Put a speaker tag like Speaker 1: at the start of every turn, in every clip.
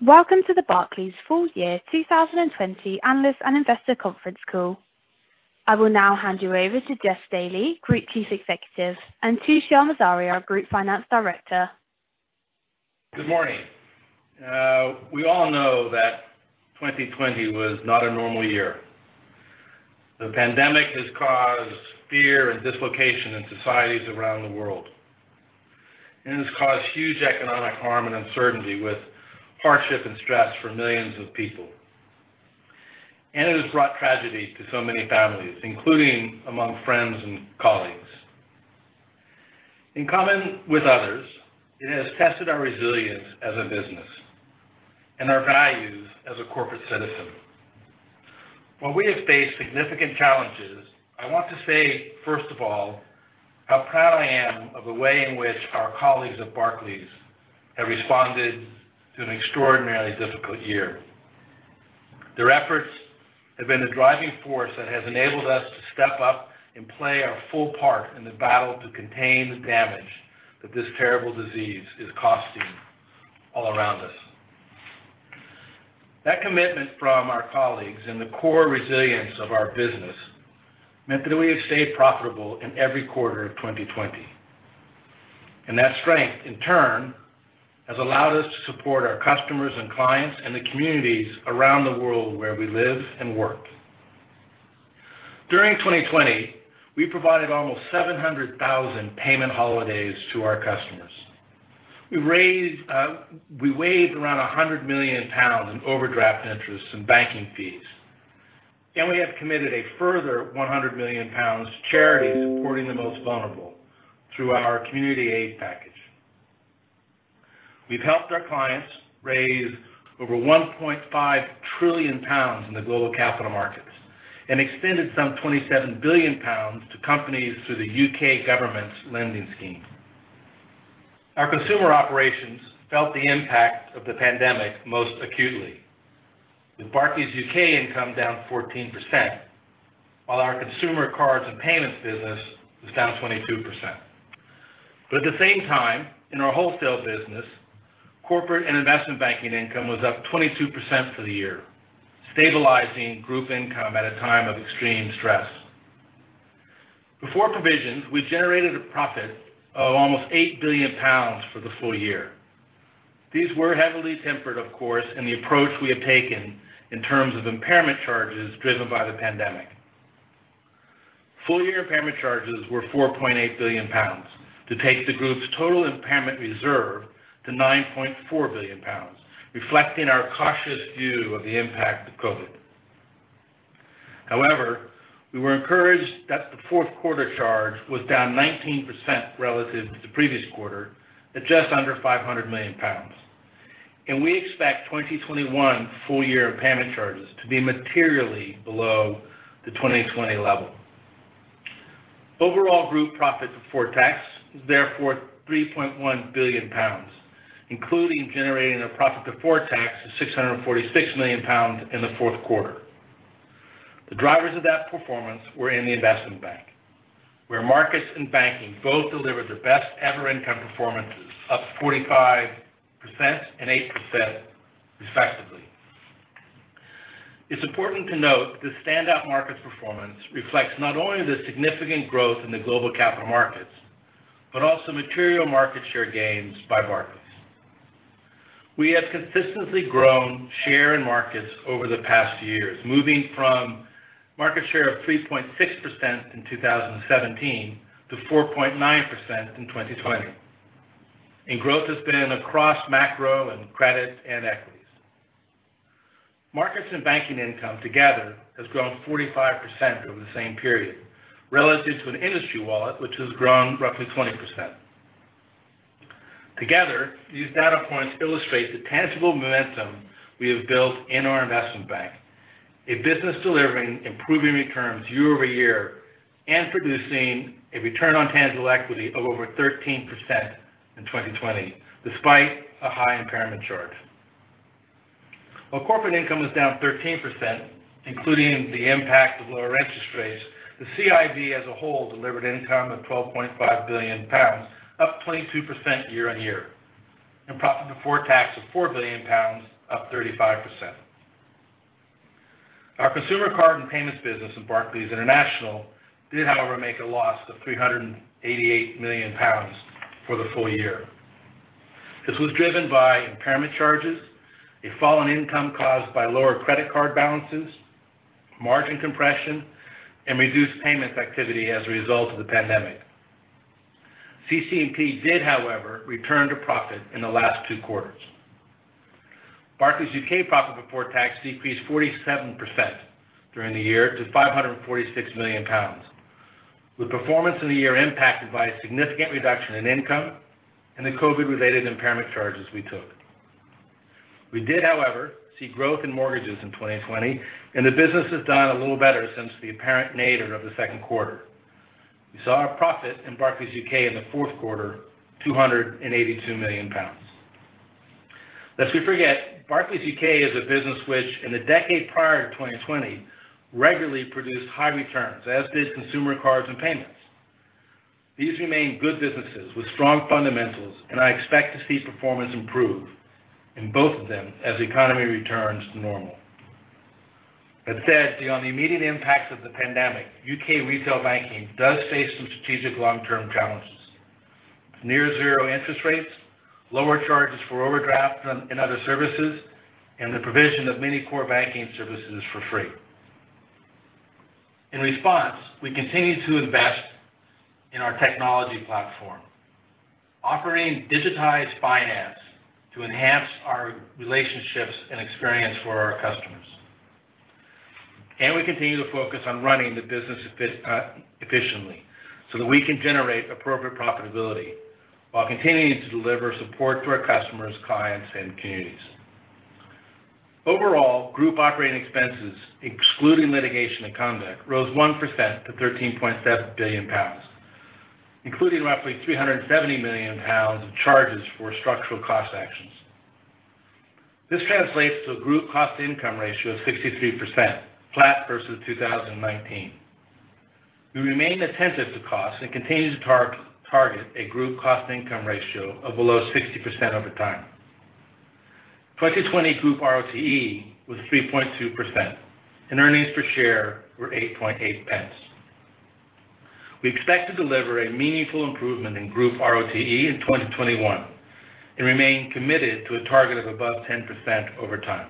Speaker 1: Welcome to the Barclays Full Year 2020 Analyst and Investor Conference Call. I will now hand you over to Jes Staley, Group Chief Executive, and Tushar Morzaria, our Group Finance Director.
Speaker 2: Good morning. We all know that 2020 was not a normal year. The pandemic has caused fear and dislocation in societies around the world, and it's caused huge economic harm and uncertainty with hardship and stress for millions of people. It has brought tragedy to so many families, including among friends and colleagues. In common with others, it has tested our resilience as a business and our values as a corporate citizen. While we have faced significant challenges, I want to say, first of all, how proud I am of the way in which our colleagues at Barclays have responded to an extraordinarily difficult year. Their efforts have been the driving force that has enabled us to step up and play our full part in the battle to contain the damage that this terrible disease is causing all around us. That commitment from our colleagues and the core resilience of our business meant that we have stayed profitable in every quarter of 2020. That strength, in turn, has allowed us to support our customers and clients and the communities around the world where we live and work. During 2020, we provided almost 700,000 payment holidays to our customers. We waived around 100 million pounds in overdraft interests and banking fees, and we have committed a further 100 million pounds to charity, supporting the most vulnerable through our Community Aid Package. We've helped our clients raise over 1.5 trillion pounds in the global capital markets and extended some 27 billion pounds to companies through the U.K. government's lending scheme. Our consumer operations felt the impact of the pandemic most acutely, with Barclays U.K. income down 14%, while our Consumer, Cards & Payments business was down 22%. At the same time, in our wholesale business, Corporate and Investment Banking income was up 22% for the year, stabilizing Group income at a time of extreme stress. Before provisions, we generated a profit of almost 8 billion pounds for the full year. These were heavily tempered, of course, in the approach we have taken in terms of impairment charges driven by pandemic. Full-year impairment charges were 4.8 billion pounds, to take the Group's total impairment reserve to 9.4 billion pounds, reflecting our cautious view of the impact of COVID. We were encouraged that the fourth quarter charge was down 19% relative to the previous quarter at just under 500 million pounds. We expect 2021 full-year impairment charges to be materially below the 2020 level. Overall Group profit before tax is therefore 3.1 billion pounds, including generating a profit before tax of 646 million pounds in the fourth quarter. The drivers of that performance were in the investment bank, where markets and banking both delivered their best ever income performances, up 45% and 8% respectively. It's important to note this standout market performance reflects not only the significant growth in the global capital markets but also material market share gains by Barclays. We have consistently grown share in markets over the past years, moving from market share of 3.6% in 2017 to 4.9% in 2020. Growth has been across macro and credit and equities. Markets and banking income together has grown 45% over the same period relative to an industry wallet, which has grown roughly 20%. Together, these data points illustrate the tangible momentum we have built in our Investment Bank, a business delivering improving returns year-over-year and producing a return on tangible equity of over 13% in 2020, despite a high impairment charge. While Corporate income was down 13%, including the impact of lower interest rates, the CIB as a whole delivered income of 12.5 billion pounds, up 22% year on year, and profit before tax of 4 billion pounds, up 35%. Our Consumer, Cards & Payments business in Barclays International did, however, make a loss of 388 million pounds for the full year. This was driven by impairment charges, a fall in income caused by lower credit card balances, margin compression, and reduced payments activity as a result of the pandemic. CC&P did, however, return to profit in the last two quarters. Barclays U.K. profit before tax decreased 47% during the year to 546 million pounds. With performance in the year impacted by a significant reduction in income and the COVID related impairment charges we took. We did, however, see growth in mortgages in 2020, and the business has done a little better since the apparent nadir of the second quarter. We saw a profit in Barclays U.K. in the fourth quarter, 282 million pounds. Lest we forget, Barclays U.K. is a business which, in the decade prior to 2020, regularly produced high returns, as did Consumer, Cards & Payments. These remain good businesses with strong fundamentals, and I expect to see performance improve in both of them as the economy returns to normal. That said, beyond the immediate impacts of the pandemic, U.K. retail banking does face some strategic long-term challenges. Near zero interest rates, lower charges for overdraft and other services, and the provision of many core banking services for free. In response, we continue to invest in our technology platform, offering digitized finance to enhance our relationships and experience for our customers. We continue to focus on running the business efficiently so that we can generate appropriate profitability while continuing to deliver support to our customers, clients, and communities. Overall, Group operating expenses, excluding litigation and conduct, rose 1% to 13.7 billion pounds, including roughly 370 million pounds in charges for structural cost actions. This translates to a Group cost-income ratio of 63%, flat versus 2019. We remain attentive to cost and continue to target a Group cost-income ratio of below 60% over time. 2020 group RoTE was 3.2%, and earnings per share were 0.088. We expect to deliver a meaningful improvement in Group RoTE in 2021 and remain committed to a target of above 10% over time.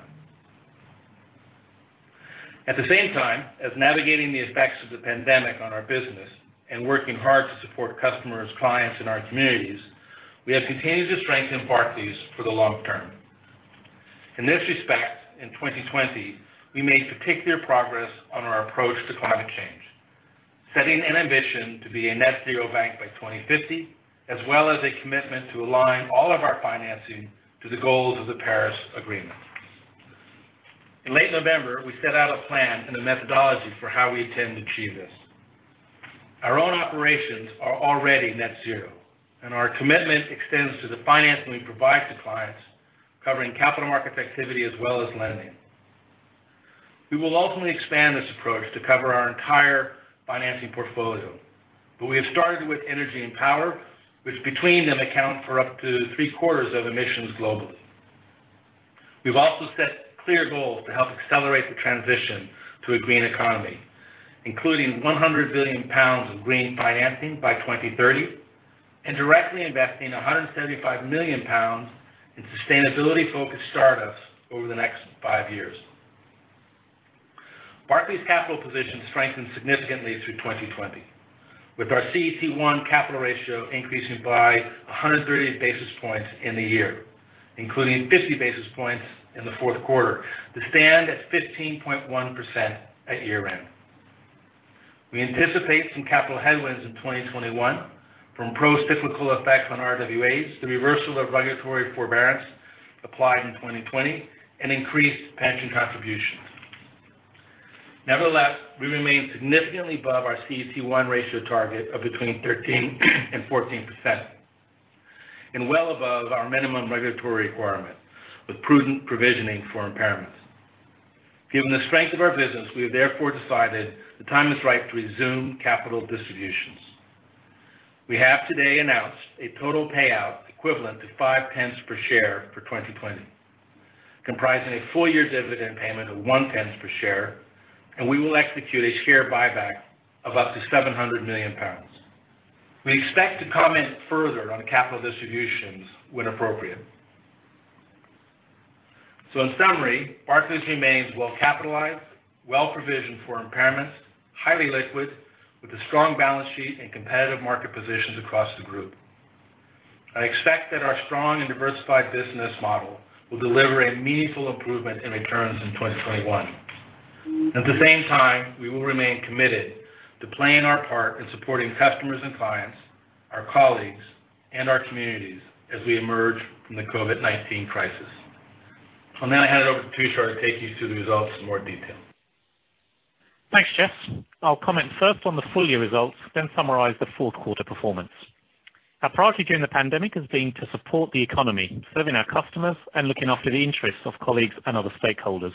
Speaker 2: At the same time as navigating the effects of the pandemic on our business and working hard to support customers, clients in our communities, we have continued to strengthen Barclays for the long term. In this respect, in 2020, we made particular progress on our approach to climate change, setting an ambition to be a net zero bank by 2050, as well as a commitment to align all of our financing to the goals of the Paris Agreement. In late November, we set out a plan and a methodology for how we intend to achieve this. Our own operations are already net zero, and our commitment extends to the financing we provide to clients, covering capital market activity as well as lending. We will ultimately expand this approach to cover our entire financing portfolio. We have started with energy and power, which between them account for up to three-quarters of emissions globally. We've also set clear goals to help accelerate the transition to a green economy, including 100 billion pounds of green financing by 2030 and directly investing 175 million pounds in sustainability-focused startups over the next five years. Barclays' capital position strengthened significantly through 2020, with our CET1 capital ratio increasing by 130 basis points in the year, including 50 basis points in the fourth quarter, to stand at 15.1% at year-end. We anticipate some capital headwinds in 2021 from procyclical effects on RWAs, the reversal of regulatory forbearance applied in 2020, and increased pension contributions. We remain significantly above our CET1 ratio target of between 13% and 14%, and well above our minimum regulatory requirement, with prudent provisioning for impairments. Given the strength of our business, we have therefore decided the time is right to resume capital distributions. We have today announced a total payout equivalent to 0.05 per share for 2020, comprising a full year dividend payment of 0.01 per share, and we will execute a share buyback of up to 700 million pounds. We expect to comment further on capital distributions when appropriate. In summary, Barclays remains well capitalized, well provisioned for impairments, highly liquid, with a strong balance sheet and competitive market positions across the Group. I expect that our strong and diversified business model will deliver a meaningful improvement in returns in 2021. At the same time, we will remain committed to playing our part in supporting customers and clients, our colleagues, and our communities as we emerge from the COVID-19 crisis. I'll now hand it over to Tushar to take you through the results in more detail.
Speaker 3: Thanks, Jes. I'll comment first on the full year results, then summarize the fourth quarter performance. Our priority during the pandemic has been to support the economy, serving our customers, and looking after the interests of colleagues and other stakeholders.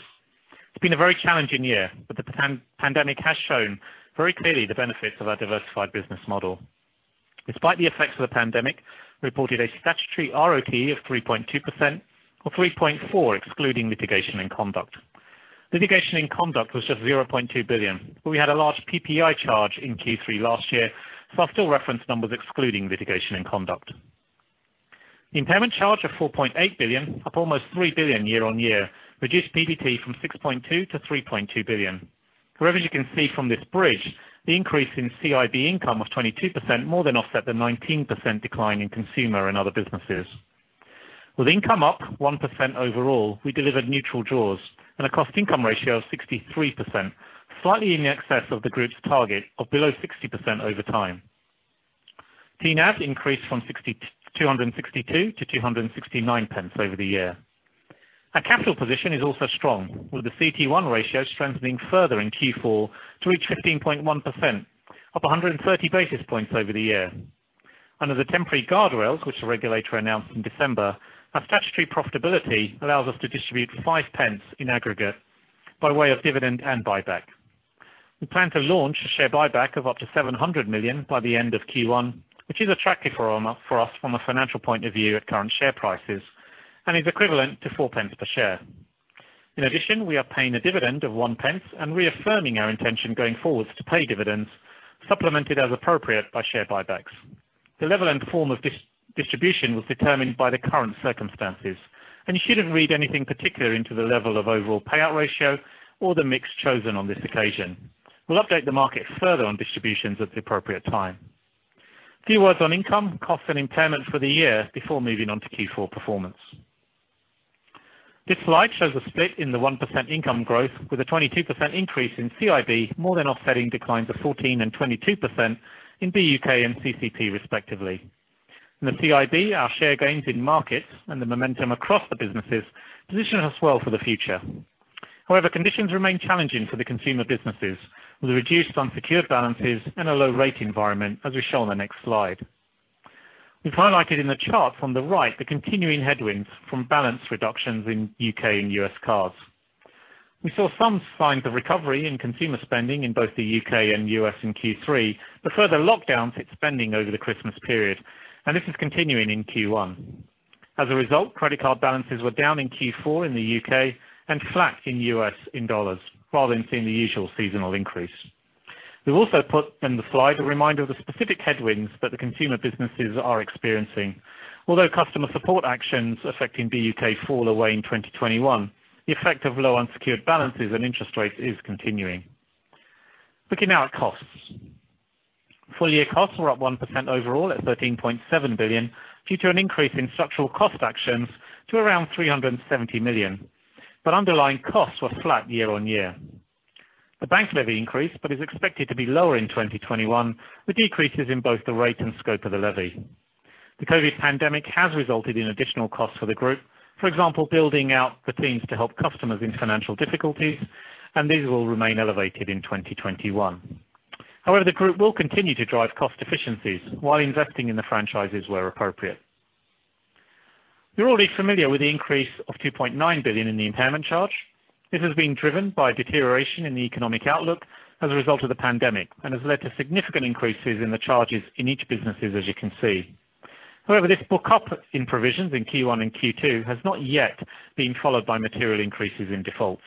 Speaker 3: It's been a very challenging year. The pandemic has shown very clearly the benefits of our diversified business model. Despite the effects of the pandemic, we reported a statutory RoTE of 3.2%, or 3.4% excluding litigation and conduct. Litigation and conduct was just 0.2 billion. We had a large PPI charge in Q3 last year. I still reference numbers excluding litigation and conduct. The impairment charge of 4.8 billion, up almost 3 billion year-on-year, reduced PBT from 6.2 billion to 3.2 billion. However, you can see from this bridge the increase in CIB income of 22% more than offset the 19% decline in consumer and other businesses. With income up 1% overall, we delivered neutral jaws and a cost-income ratio of 63%, slightly in excess of the group's target of below 60% over time. TNAV increased from 2.62 to 2.69 over the year. Our capital position is also strong, with the CET1 ratio strengthening further in Q4 to reach 15.1%, up 130 basis points over the year. As a temporary guardrail, which the regulator announced in December, our statutory profitability allows us to distribute 0.05 in aggregate by way of dividend and buyback. We plan to launch a share buyback of up to 700 million by the end of Q1, which is attractive for us from a financial point of view at current share prices and is equivalent to 0.04 per share. In addition, we are paying a dividend of 0.01 and reaffirming our intention going forward to pay dividends, supplemented as appropriate by share buybacks. The level and form of distribution was determined by the current circumstances. You shouldn't read anything particular into the level of overall payout ratio or the mix chosen on this occasion. We'll update the market further on distributions at the appropriate time. A few words on income, costs, and impairment for the year before moving on to Q4 performance. This slide shows a split in the 1% income growth with a 22% increase in CIB, more than offsetting declines of 14% and 22% in BUK and CCP, respectively. In the CIB, our share gains in markets and the momentum across the businesses position us well for the future. However, conditions remain challenging for the consumer businesses, with reduced unsecured balances and a low rate environment, as we show on the next slide. We've highlighted in the chart from the right the continuing headwinds from balance reductions in U.K. and U.S. cards. We saw some signs of recovery in consumer spending in both the U.K. and U.S. in Q3, but further lockdowns hit spending over the Christmas period, and this is continuing in Q1. As a result, credit card balances were down in Q4 in the U.K. and flat in U.S. in dollars, rather than seeing the usual seasonal increase. We've also put in the slide a reminder of the specific headwinds that the consumer businesses are experiencing. Although customer support actions affecting BUK fall away in 2021, the effect of low unsecured balances and interest rates is continuing. Looking now at costs. Full year costs were up 1% overall at 13.7 billion, due to an increase in structural cost actions to around 370 million. Underlying costs were flat year-on-year. The bank levy increased, but is expected to be lower in 2021, with decreases in both the rate and scope of the levy. The COVID pandemic has resulted in additional costs for the Group. For example, building out the teams to help customers in financial difficulties, and these will remain elevated in 2021. However, the Group will continue to drive cost efficiencies while investing in the franchises where appropriate. You're already familiar with the increase of 2.9 billion in the impairment charge. This is being driven by deterioration in the economic outlook as a result of the pandemic and has led to significant increases in the charges in each businesses, as you can see. This book up in provisions in Q1 and Q2 has not yet been followed by material increases in defaults.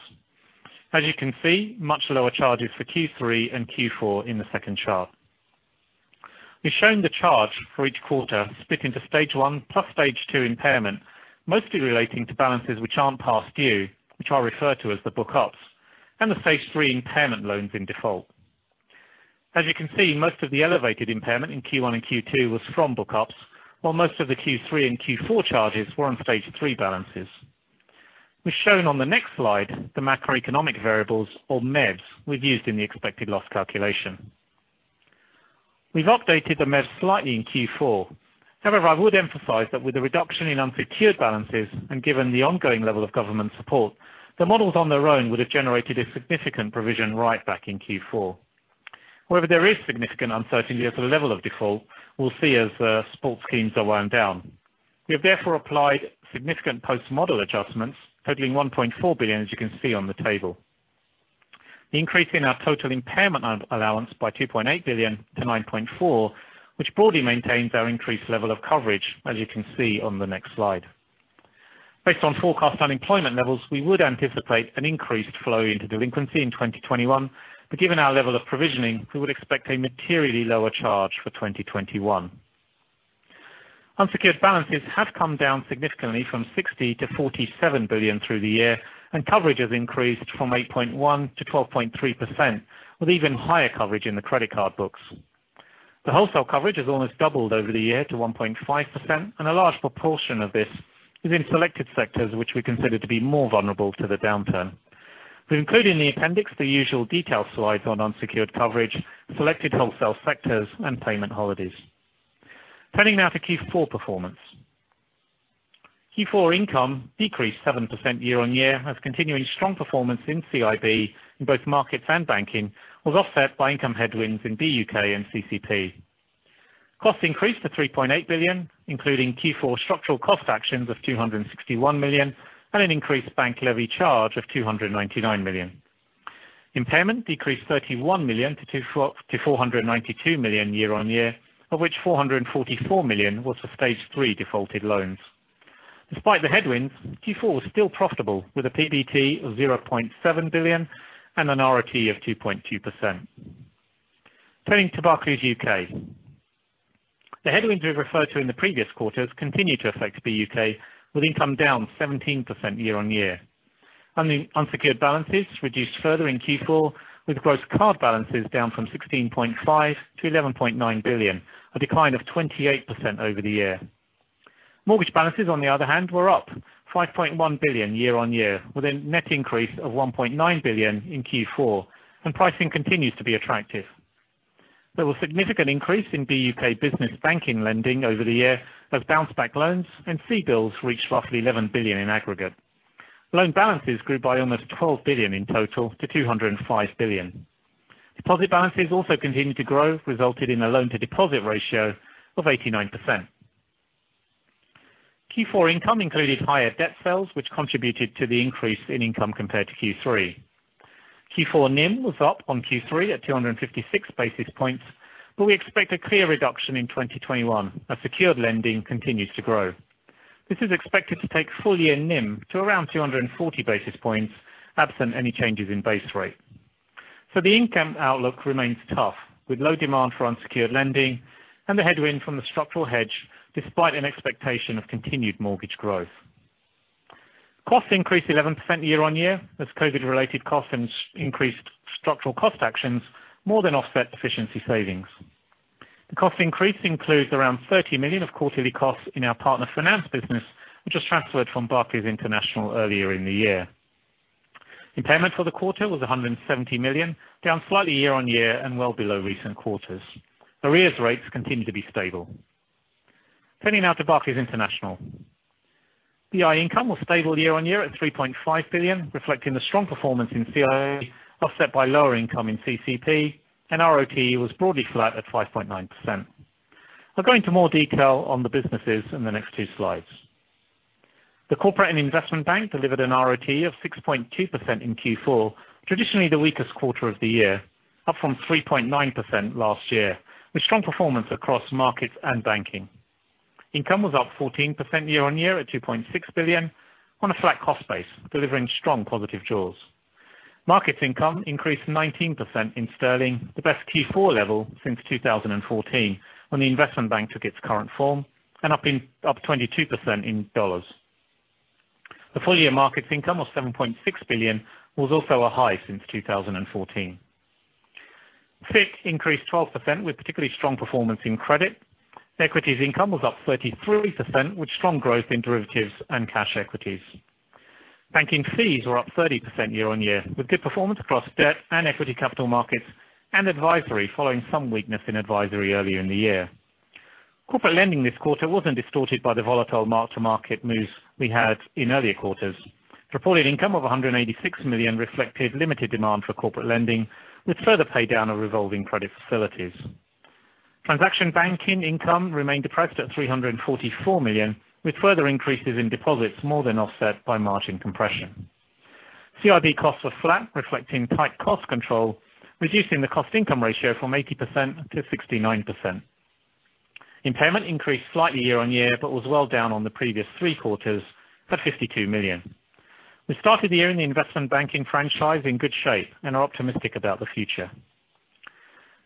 Speaker 3: As you can see, much lower charges for Q3 and Q4 in the second chart. We've shown the charge for each quarter split into Stage 1 plus Stage 2 impairment, mostly relating to balances which aren't past due, which I refer to as the book ups, and the Stage 3 impairment loans in default. As you can see, most of the elevated impairment in Q1 and Q2 was from book ups, while most of the Q3 and Q4 charges were on Stage 3 balances. We've shown on the next slide the macroeconomic variables or MEVs we've used in the expected loss calculation. We've updated the MEVs slightly in Q4. I would emphasize that with the reduction in unsecured balances and given the ongoing level of government support, the models on their own would have generated a significant provision write-back in Q4. There is significant uncertainty as to the level of default we'll see as support schemes are wound down. We have therefore applied significant post-model adjustments totaling 1.4 billion, as you can see on the table, increasing our total impairment allowance by 2.8 billion to 9.4 billion, which broadly maintains our increased level of coverage, as you can see on the next slide. Based on forecast unemployment levels, we would anticipate an increased flow into delinquency in 2021, but given our level of provisioning, we would expect a materially lower charge for 2021. Unsecured balances have come down significantly from 60 billion to 47 billion through the year, and coverage has increased from 8.1% to 12.3%, with even higher coverage in the credit card books. The wholesale coverage has almost doubled over the year to 1.5%, and a large proportion of this is in selected sectors which we consider to be more vulnerable to the downturn. We include in the appendix the usual detail slides on unsecured coverage, selected wholesale sectors, and payment holidays. Turning now to Q4 performance. Q4 income decreased 7% year-over-year as continuing strong performance in CIB in both markets and banking was offset by income headwinds in BUK and CCP. Costs increased to 3.8 billion, including Q4 structural cost actions of 261 million and an increased bank levy charge of 299 million. Impairment decreased 31 million to 492 million year on year, of which 444 million was for Stage 3 defaulted loans. Despite the headwinds, Q4 was still profitable, with a PBT of 0.7 billion and an RoTE of 2.2%. Turning to Barclays U.K. The headwinds we've referred to in the previous quarters continue to affect BUK, with income down 17% year on year. Unsecured balances reduced further in Q4, with gross card balances down from 16.5 billion to 11.9 billion, a decline of 28% over the year. Mortgage balances, on the other hand, were up 5.1 billion year on year, with a net increase of 1.9 billion in Q4, and pricing continues to be attractive. There was significant increase in BUK business banking lending over the year as Bounce Back Loans and CBILS reached roughly 11 billion in aggregate. Loan balances grew by almost 12 billion in total to 205 billion. Deposit balances also continued to grow, resulting in a loan-to-deposit ratio of 89%. Q4 income included higher debt sales, which contributed to the increase in income compared to Q3. Q4 NIM was up on Q3 at 256 basis points. We expect a clear reduction in 2021 as secured lending continues to grow. This is expected to take full-year NIM to around 240 basis points, absent any changes in base rate. The income outlook remains tough, with low demand for unsecured lending and the headwind from the structural hedge, despite an expectation of continued mortgage growth. Costs increased 11% year-on-year as COVID-related costs and increased structural cost actions more than offset efficiency savings. The cost increase includes around 30 million of quarterly costs in our partner finance business, which was transferred from Barclays International earlier in the year. Impairment for the quarter was 170 million, down slightly year-on-year and well below recent quarters. Arrears rates continue to be stable. Turning now to Barclays International. BI income was stable year-on-year at 3.5 billion, reflecting the strong performance in CIB offset by lower income in CCP, and RoTE was broadly flat at 5.9%. I'll go into more detail on the businesses in the next two slides. The Corporate and Investment Bank delivered an RoTE of 6.2% in Q4, traditionally the weakest quarter of the year, up from 3.9% last year, with strong performance across markets and banking. Income was up 14% year-on-year at 2.6 billion on a flat cost base, delivering strong positive jaws. Markets income increased 19% in sterling, the best Q4 level since 2014, when the investment bank took its current form, and up 22% in dollars. The full-year markets income of 7.6 billion was also a high since 2014. FICC increased 12% with particularly strong performance in credit. Equities income was up 33%, with strong growth in derivatives and cash equities. Banking fees were up 30% year-on-year, with good performance across debt and equity capital markets and advisory, following some weakness in advisory earlier in the year. Corporate lending this quarter wasn't distorted by the volatile mark-to-market moves we had in earlier quarters. Reported income of 186 million reflected limited demand for corporate lending, with further paydown of revolving credit facilities. Transaction banking income remained depressed at 344 million, with further increases in deposits more than offset by margin compression. CIB costs were flat, reflecting tight cost control, reducing the cost-income ratio from 80% to 69%. Impairment increased slightly year-on-year, but was well down on the previous three quarters by 52 million. We started the year in the investment banking franchise in good shape and are optimistic about the future.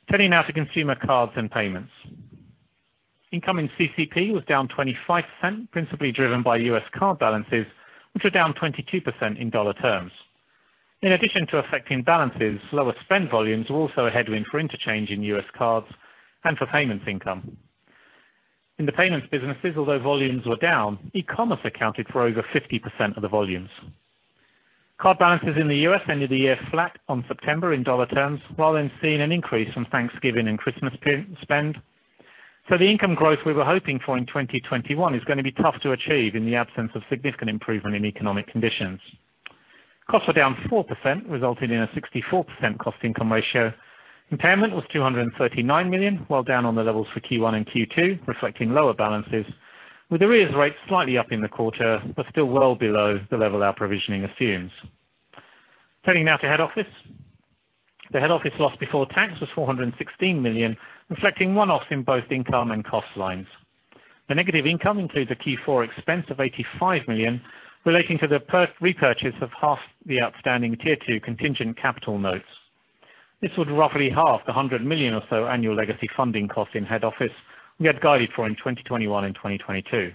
Speaker 3: Turning now to Consumer, Cards & Payments. Income in CCP was down 25%, principally driven by U.S. card balances, which were down 22% in dollar terms. In addition to affecting balances, lower spend volumes were also a headwind for interchange in U.S. cards and for payments income. In the payments businesses, although volumes were down, e-commerce accounted for over 50% of the volumes. Card balances in the U.S. ended the year flat on September in dollar terms, rather than seeing an increase on Thanksgiving and Christmas spend. The income growth we were hoping for in 2021 is going to be tough to achieve in the absence of significant improvement in economic conditions. Costs are down 4%, resulting in a 64% cost-income ratio. Impairment was 239 million, while down on the levels for Q1 and Q2, reflecting lower balances, with arrears rates slightly up in the quarter, but still well below the level our provisioning assumes. Turning now to head office. The head office loss before tax was 416 million, reflecting one-offs in both income and cost lines. The negative income includes a Q4 expense of 85 million relating to the repurchase of half the outstanding Tier 2 contingent capital notes. This would roughly half the 100 million or so annual legacy funding cost in head office we had guided for in 2021 and 2022.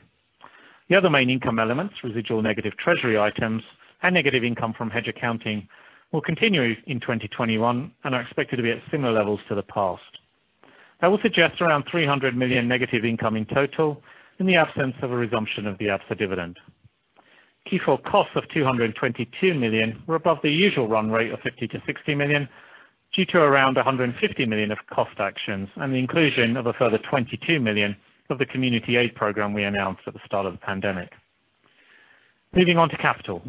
Speaker 3: The other main income elements, residual negative treasury items and negative income from hedge accounting, will continue in 2021 and are expected to be at similar levels to the past. That will suggest around 300 million negative income in total in the absence of a resumption of the Absa dividend. Q4 costs of 222 million were above the usual run rate of 50 million-60 million, due to around 150 million of cost actions and the inclusion of a further 22 million of the community aid program we announced at the start of the pandemic. Moving on to capital.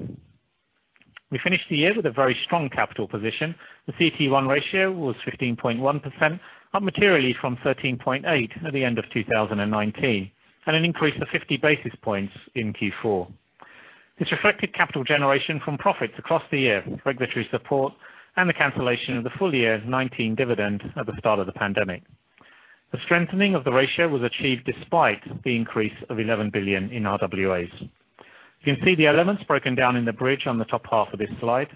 Speaker 3: We finished the year with a very strong capital position. The CET1 ratio was 15.1%, up materially from 13.8% at the end of 2019, and an increase of 50 basis points in Q4. This reflected capital generation from profits across the year, regulatory support, and the cancellation of the full-year 2019 dividend at the start of the pandemic. The strengthening of the ratio was achieved despite the increase of 11 billion in RWAs. You can see the elements broken down in the bridge on the top half of this slide.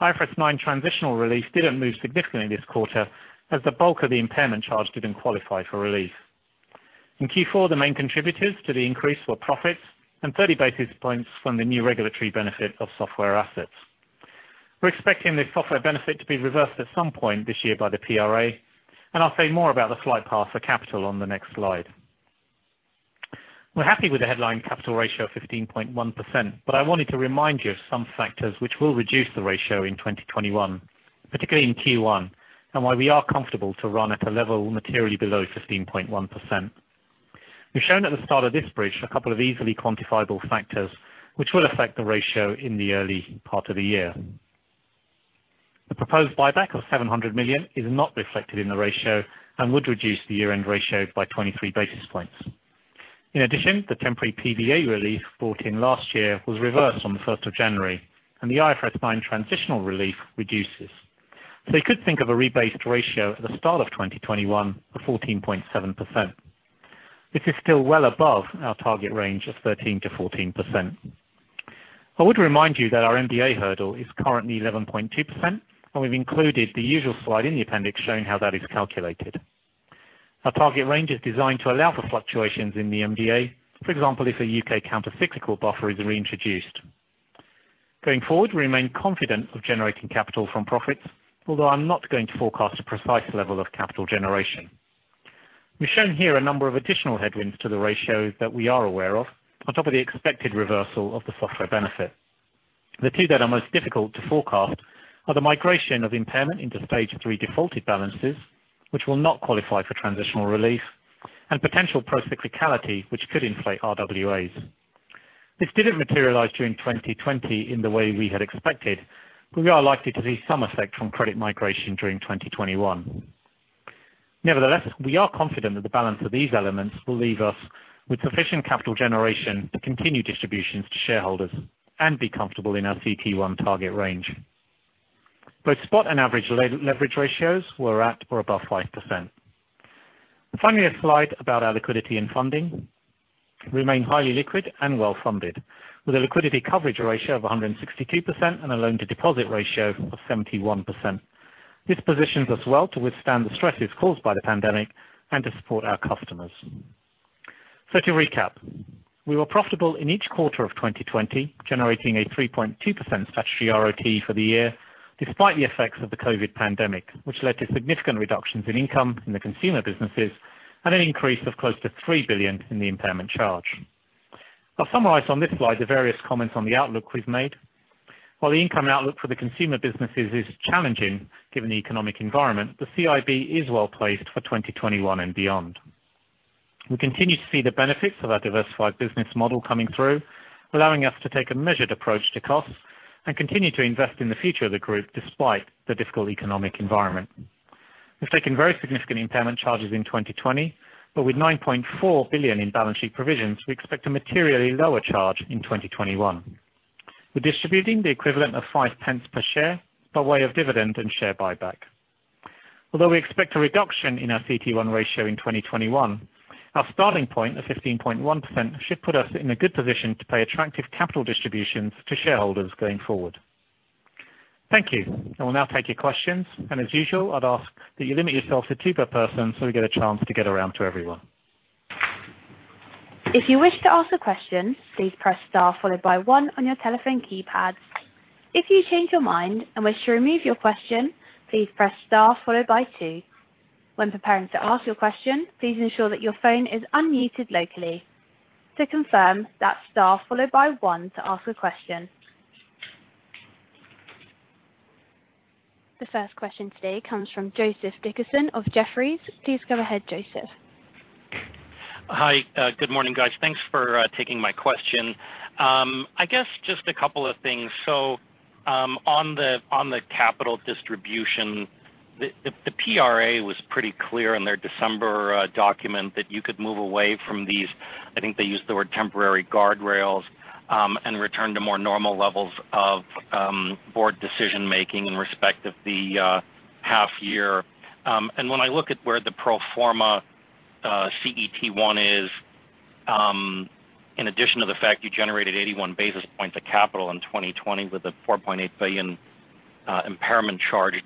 Speaker 3: IFRS 9 transitional release didn't move significantly this quarter as the bulk of the impairment charge didn't qualify for release. In Q4, the main contributors to the increase were profits and 30 basis points from the new regulatory benefit of software assets. We're expecting this software benefit to be reversed at some point this year by the PRA, and I'll say more about the flight path for capital on the next slide. We're happy with the headline capital ratio of 15.1%, but I wanted to remind you of some factors which will reduce the ratio in 2021, particularly in Q1, and why we are comfortable to run at a level materially below 15.1%. We've shown at the start of this bridge a couple of easily quantifiable factors which will affect the ratio in the early part of the year. The proposed buyback of 700 million is not reflected in the ratio and would reduce the year-end ratio by 23 basis points. In addition, the temporary PVA relief brought in last year was reversed on the 1st of January, and the IFRS 9 transitional relief reduces. You could think of a rebased ratio at the start of 2021 of 14.7%. This is still well above our target range of 13%-14%. I would remind you that our MDA hurdle is currently 11.2%, and we've included the usual slide in the appendix showing how that is calculated. Our target range is designed to allow for fluctuations in the MDA, for example, if a U.K. countercyclical buffer is reintroduced. Going forward, we remain confident of generating capital from profits, although I'm not going to forecast a precise level of capital generation. We've shown here a number of additional headwinds to the ratio that we are aware of, on top of the expected reversal of the software benefit. The two that are most difficult to forecast are the migration of impairment into Stage 3 defaulted balances, which will not qualify for transitional relief, and potential procyclicality, which could inflate RWAs. This didn't materialize during 2020 in the way we had expected, but we are likely to see some effect from credit migration during 2021. Nevertheless, we are confident that the balance of these elements will leave us with sufficient capital generation to continue distributions to shareholders and be comfortable in our CET1 target range. Both spot and average leverage ratios were at or above 5%. Finally, a slide about our liquidity and funding. We remain highly liquid and well funded, with a liquidity coverage ratio of 162% and a loan-to-deposit ratio of 71%. This positions us well to withstand the stresses caused by the pandemic and to support our customers. To recap, we were profitable in each quarter of 2020, generating a 3.2% statutory RoTE for the year, despite the effects of the COVID pandemic, which led to significant reductions in income in the consumer businesses and an increase of close to 3 billion in the impairment charge. I'll summarize on this slide the various comments on the outlook we've made. While the income outlook for the consumer businesses is challenging given the economic environment, the CIB is well placed for 2021 and beyond. We continue to see the benefits of our diversified business model coming through, allowing us to take a measured approach to costs and continue to invest in the future of the group despite the difficult economic environment. We've taken very significant impairment charges in 2020, but with 9.4 billion in balance sheet provisions, we expect a materially lower charge in 2021. We're distributing the equivalent of 0.05 per share by way of dividend and share buyback. Although we expect a reduction in our CET1 ratio in 2021, our starting point of 15.1% should put us in a good position to pay attractive capital distributions to shareholders going forward. Thank you. I will now take your questions, and as usual, I'd ask that you limit yourself to two per person so we get a chance to get around to everyone.
Speaker 1: If you wish to ask a question, please press star followed by one on your telephone keypad. If you change your mind and wish to remove your question, please press star followed by two. When preparing to ask your question, please ensure that your phone is unmuted locally. To confirm, that's star followed by one to ask a question. The first question today comes from Joseph Dickerson of Jefferies. Please go ahead, Joseph.
Speaker 4: Hi. Good morning, guys. Thanks for taking my question. I guess just a couple of things. On the capital distribution, the PRA was pretty clear in their December document that you could move away from these, I think they used the word temporary guardrails, and return to more normal levels of board decision making in respect of the half year. When I look at where the pro forma CET1 is, in addition to the fact you generated 81 basis points of capital in 2020 with a 4.8 billion impairment charge, it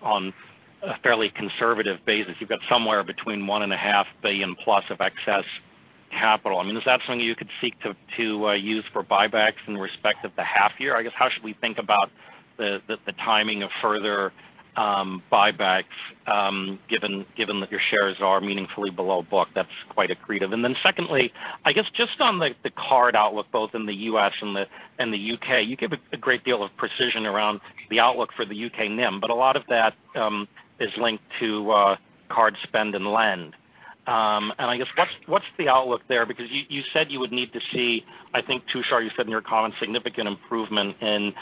Speaker 4: suggests on a fairly conservative basis, you've got somewhere between 1.5 billion of excess capital. Is that something you could seek to use for buybacks in respect of the half year? I guess, how should we think about the timing of further buybacks, given that your shares are meaningfully below book? That's quite accretive. Secondly, I guess just on the card outlook, both in the U.S. and the U.K., you give a great deal of precision around the outlook for the U.K. NIM, but a lot of that is linked to card spend and lend. I guess what's the outlook there? You said you would need to see, I think, Tushar, you said in your comments, significant improvement in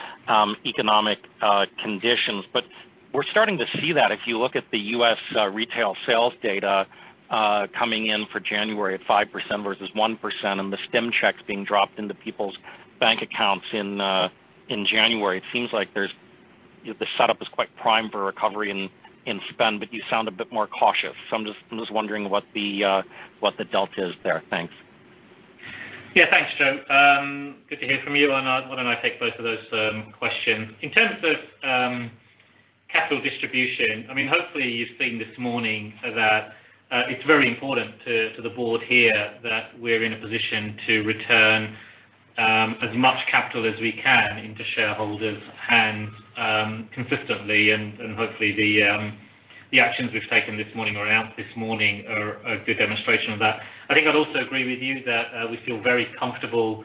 Speaker 4: economic conditions. We're starting to see that if you look at the U.S. retail sales data coming in for January at 5% versus 1%, and the stim checks being dropped into people's bank accounts in January. It seems like the setup is quite prime for recovery and spend, but you sound a bit more cautious. I'm just wondering what the delta is there. Thanks.
Speaker 3: Thanks, Joe. Good to hear from you. Why don't I take both of those questions? In terms of capital distribution, hopefully you've seen this morning that it's very important to the Board here that we're in a position to return as much capital as we can into shareholders' hands consistently, and hopefully the actions we've taken this morning, are out this morning are a good demonstration of that. I think I'd also agree with you that we feel very comfortable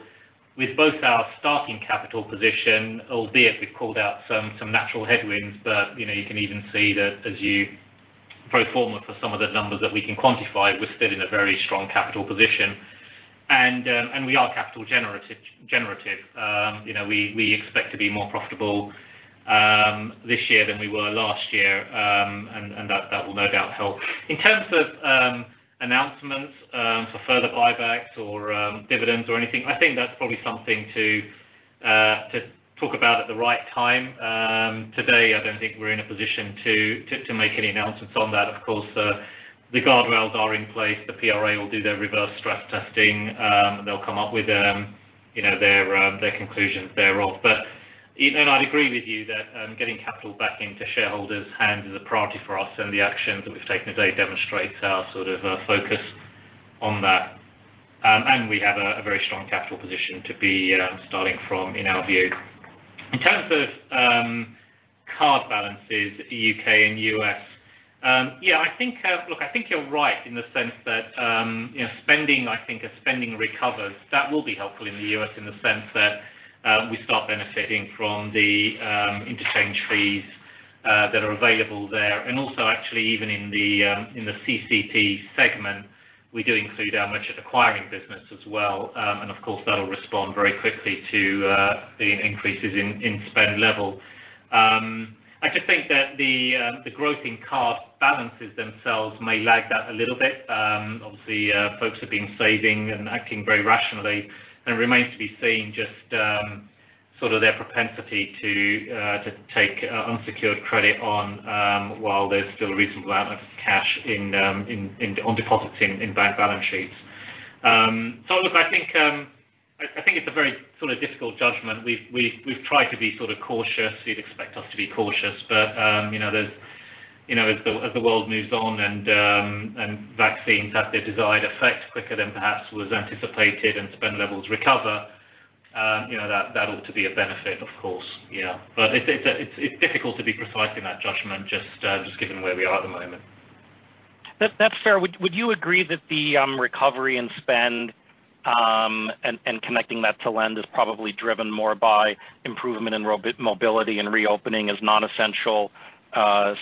Speaker 3: with both our starting capital position, albeit we've called out some natural headwinds. You can even see that as you pro forma for some of the numbers that we can quantify, we're still in a very strong capital position. We are capital generative. We expect to be more profitable this year than we were last year, and that will no doubt help. In terms of announcements for further buybacks or dividends or anything, I think that's probably something to talk about at the right time. Today, I don't think we're in a position to make any announcements on that. Of course, the guardrails are in place. The PRA will do their reverse stress testing. They'll come up with their conclusions thereof. Even I'd agree with you that getting capital back into shareholders' hands is a priority for us, and the actions that we've taken today demonstrates our focus on that. We have a very strong capital position to be starting from, in our view. In terms of card balances, U.K. and U.S., look, I think you're right in the sense that spending, I think as spending recovers, that will be helpful in the U.S. in the sense that we start benefiting from the interchange fees that are available there. Also actually even in the CCP segment, we do include our merchant acquiring business as well. Of course, that'll respond very quickly to the increases in spend level. I just think that the growth in card balances themselves may lag that a little bit. Obviously, folks have been saving and acting very rationally, and it remains to be seen just their propensity to take unsecured credit on while there's still a reasonable amount of cash on deposits in bank balance sheets. Look, I think it's a very difficult judgment. We've tried to be cautious. You'd expect us to be cautious. As the world moves on and vaccines have their desired effect quicker than perhaps was anticipated and spend levels recover, that ought to be a benefit, of course. Yeah. It's difficult to be precise in that judgment, just given where we are at the moment.
Speaker 4: That's fair. Would you agree that the recovery in spend and connecting that to lend is probably driven more by improvement in mobility and reopening as non-essential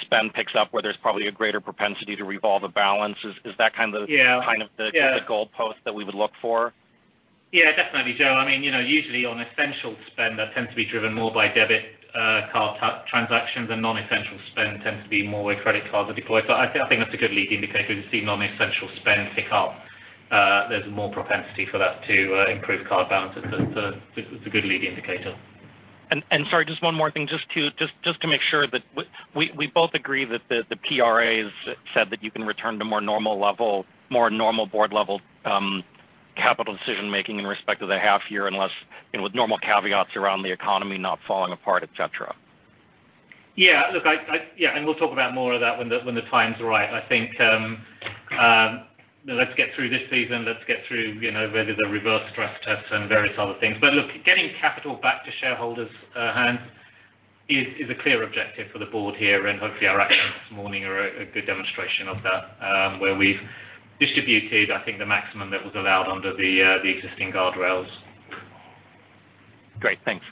Speaker 4: spend picks up where there's probably a greater propensity to revolve a balance? Is that kind of?
Speaker 3: Yeah.
Speaker 4: The goal post that we would look for?
Speaker 3: Yeah, definitely, Joe. Usually on essential spend, that tends to be driven more by debit card transactions, and non-essential spend tends to be more where credit cards are deployed. I think that's a good lead indicator to see non-essential spend pick up. There's more propensity for that to improve card balances. It's a good lead indicator.
Speaker 4: Sorry, just one more thing. Just to make sure that we both agree that the PRA has said that you can return to more normal board level capital decision-making in respect of the half year unless with normal caveats around the economy not falling apart, et cetera.
Speaker 3: Yeah. We'll talk about more of that when the time's right. I think let's get through this season. Let's get through whether the reverse stress tests and various other things. Look, getting capital back to shareholders' hands is a clear objective for the board here, and hopefully our actions this morning are a good demonstration of that, where we've distributed, I think, the maximum that was allowed under the existing guardrails.
Speaker 4: Great. Thanks.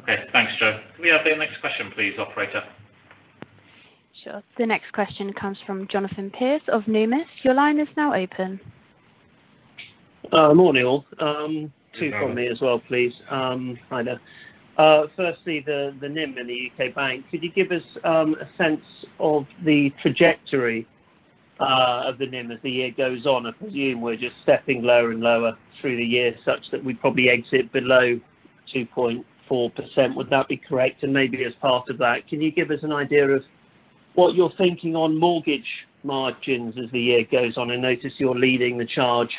Speaker 3: Okay. Thanks, Joe. Can we have the next question please, operator?
Speaker 1: Sure. The next question comes from Jonathan Pierce of Numis. Your line is now open.
Speaker 5: Morning, all. Two from me as well, please. Hi there. Firstly, the NIM in the U.K. bank. Could you give us a sense of the trajectory of the NIM as the year goes on? I presume we're just stepping lower and lower through the year, such that we probably exit below 2.4%. Would that be correct? Maybe as part of that, can you give us an idea of what you're thinking on mortgage margins as the year goes on? I notice you're leading the charge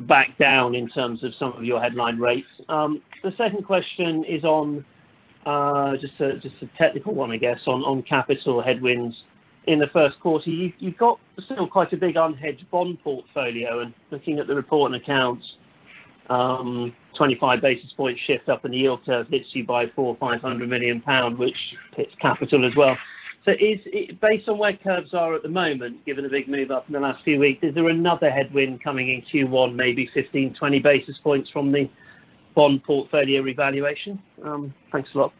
Speaker 5: back down in terms of some of your headline rates. The second question is just a technical one, I guess, on capital headwinds in the first quarter. You've got still quite a big unhedged bond portfolio, and looking at the report and accounts, 25 basis points shift up in the yield curve hits you by 400 million or 500 million pounds, which hits capital as well. Based on where curves are at the moment, given the big move up in the last few weeks, is there another headwind coming in Q1, maybe 15, 20 basis points from the bond portfolio revaluation? Thanks a lot.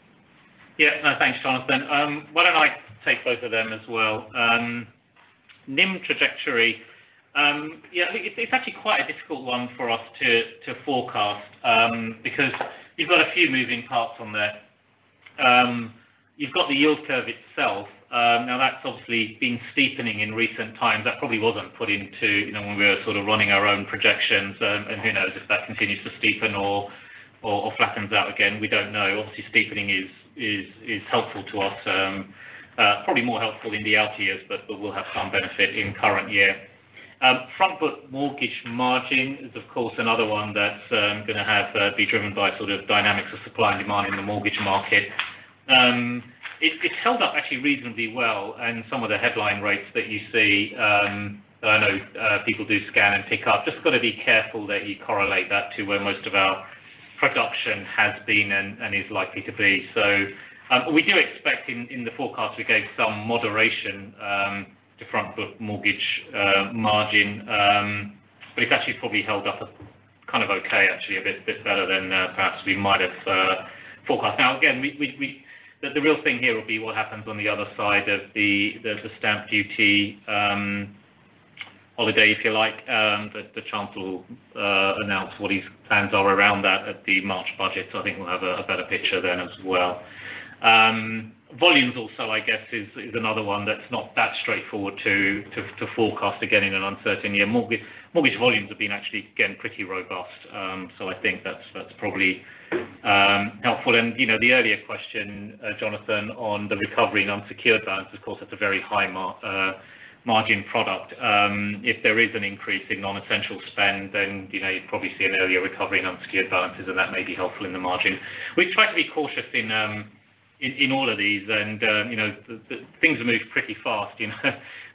Speaker 3: No, thanks, Jonathan. Why don't I take both of them as well? NIM trajectory. It's actually quite a difficult one for us to forecast because you've got a few moving parts on there. You've got the yield curve itself. That's obviously been steepening in recent times. That probably wasn't put into when we were sort of running our own projections. Who knows if that continues to steepen or flattens out again. We don't know. Obviously, steepening is helpful to us. Probably more helpful in the out years, but we'll have some benefit in current year. Front book mortgage margin is, of course, another one that's going to be driven by sort of dynamics of supply and demand in the mortgage market. It's held up actually reasonably well in some of the headline rates that you see that I note people do scan and pick up. Got to be careful that you correlate that to where most of our production has been and is likely to be. We do expect in the forecast we gave some moderation to front book mortgage margin. It's actually probably held up a kind of okay, actually. A bit better than perhaps we might have forecast. Again, the real thing here will be what happens on the other side of the Stamp Duty Holiday, if you like. The chancellor will announce what his plans are around that at the March budget. I think we'll have a better picture then as well. Volumes also, I guess, is another one that's not that straightforward to forecast, again, in an uncertain year. Mortgage volumes have been actually, again, pretty robust. I think that's probably helpful. The earlier question, Jonathan, on the recovery in unsecured balance, of course, that's a very high margin product. If there is an increase in non-essential spend, then you'd probably see an earlier recovery in unsecured balances, and that may be helpful in the margin. We try to be cautious in all of these, and the things have moved pretty fast. The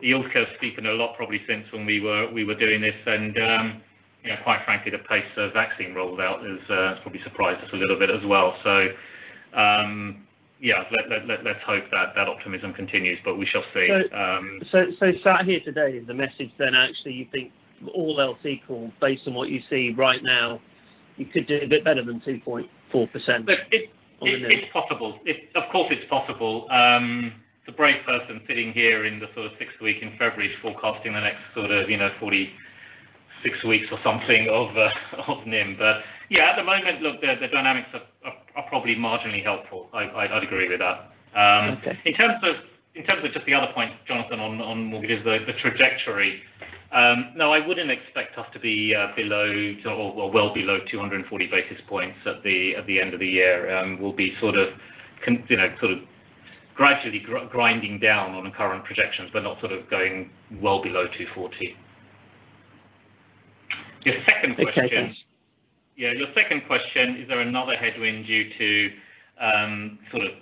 Speaker 3: yield curve has steepened a lot probably since when we were doing this, and quite frankly, the pace the vaccine rolled out has probably surprised us a little bit as well. Let's hope that optimism continues, but we shall see.
Speaker 5: Sat here today, the message then, actually, you think all else equal, based on what you see right now, you could do a bit better than 2.4%?
Speaker 3: Look, it's possible. Of course, it's possible. The brave person sitting here in the sixth week in February forecasting the next 46 weeks or something of NIM. Yeah, at the moment, look, the dynamics are probably marginally helpful. I'd agree with that.
Speaker 5: Okay.
Speaker 3: In terms of just the other point, Jonathan, on mortgages, the trajectory. No, I wouldn't expect us to be below or well below 240 basis points at the end of the year. We'll be gradually grinding down on the current projections, but not going well below 240 basis points. Your second question-
Speaker 5: Okay.
Speaker 3: Your second question, is there another headwind due to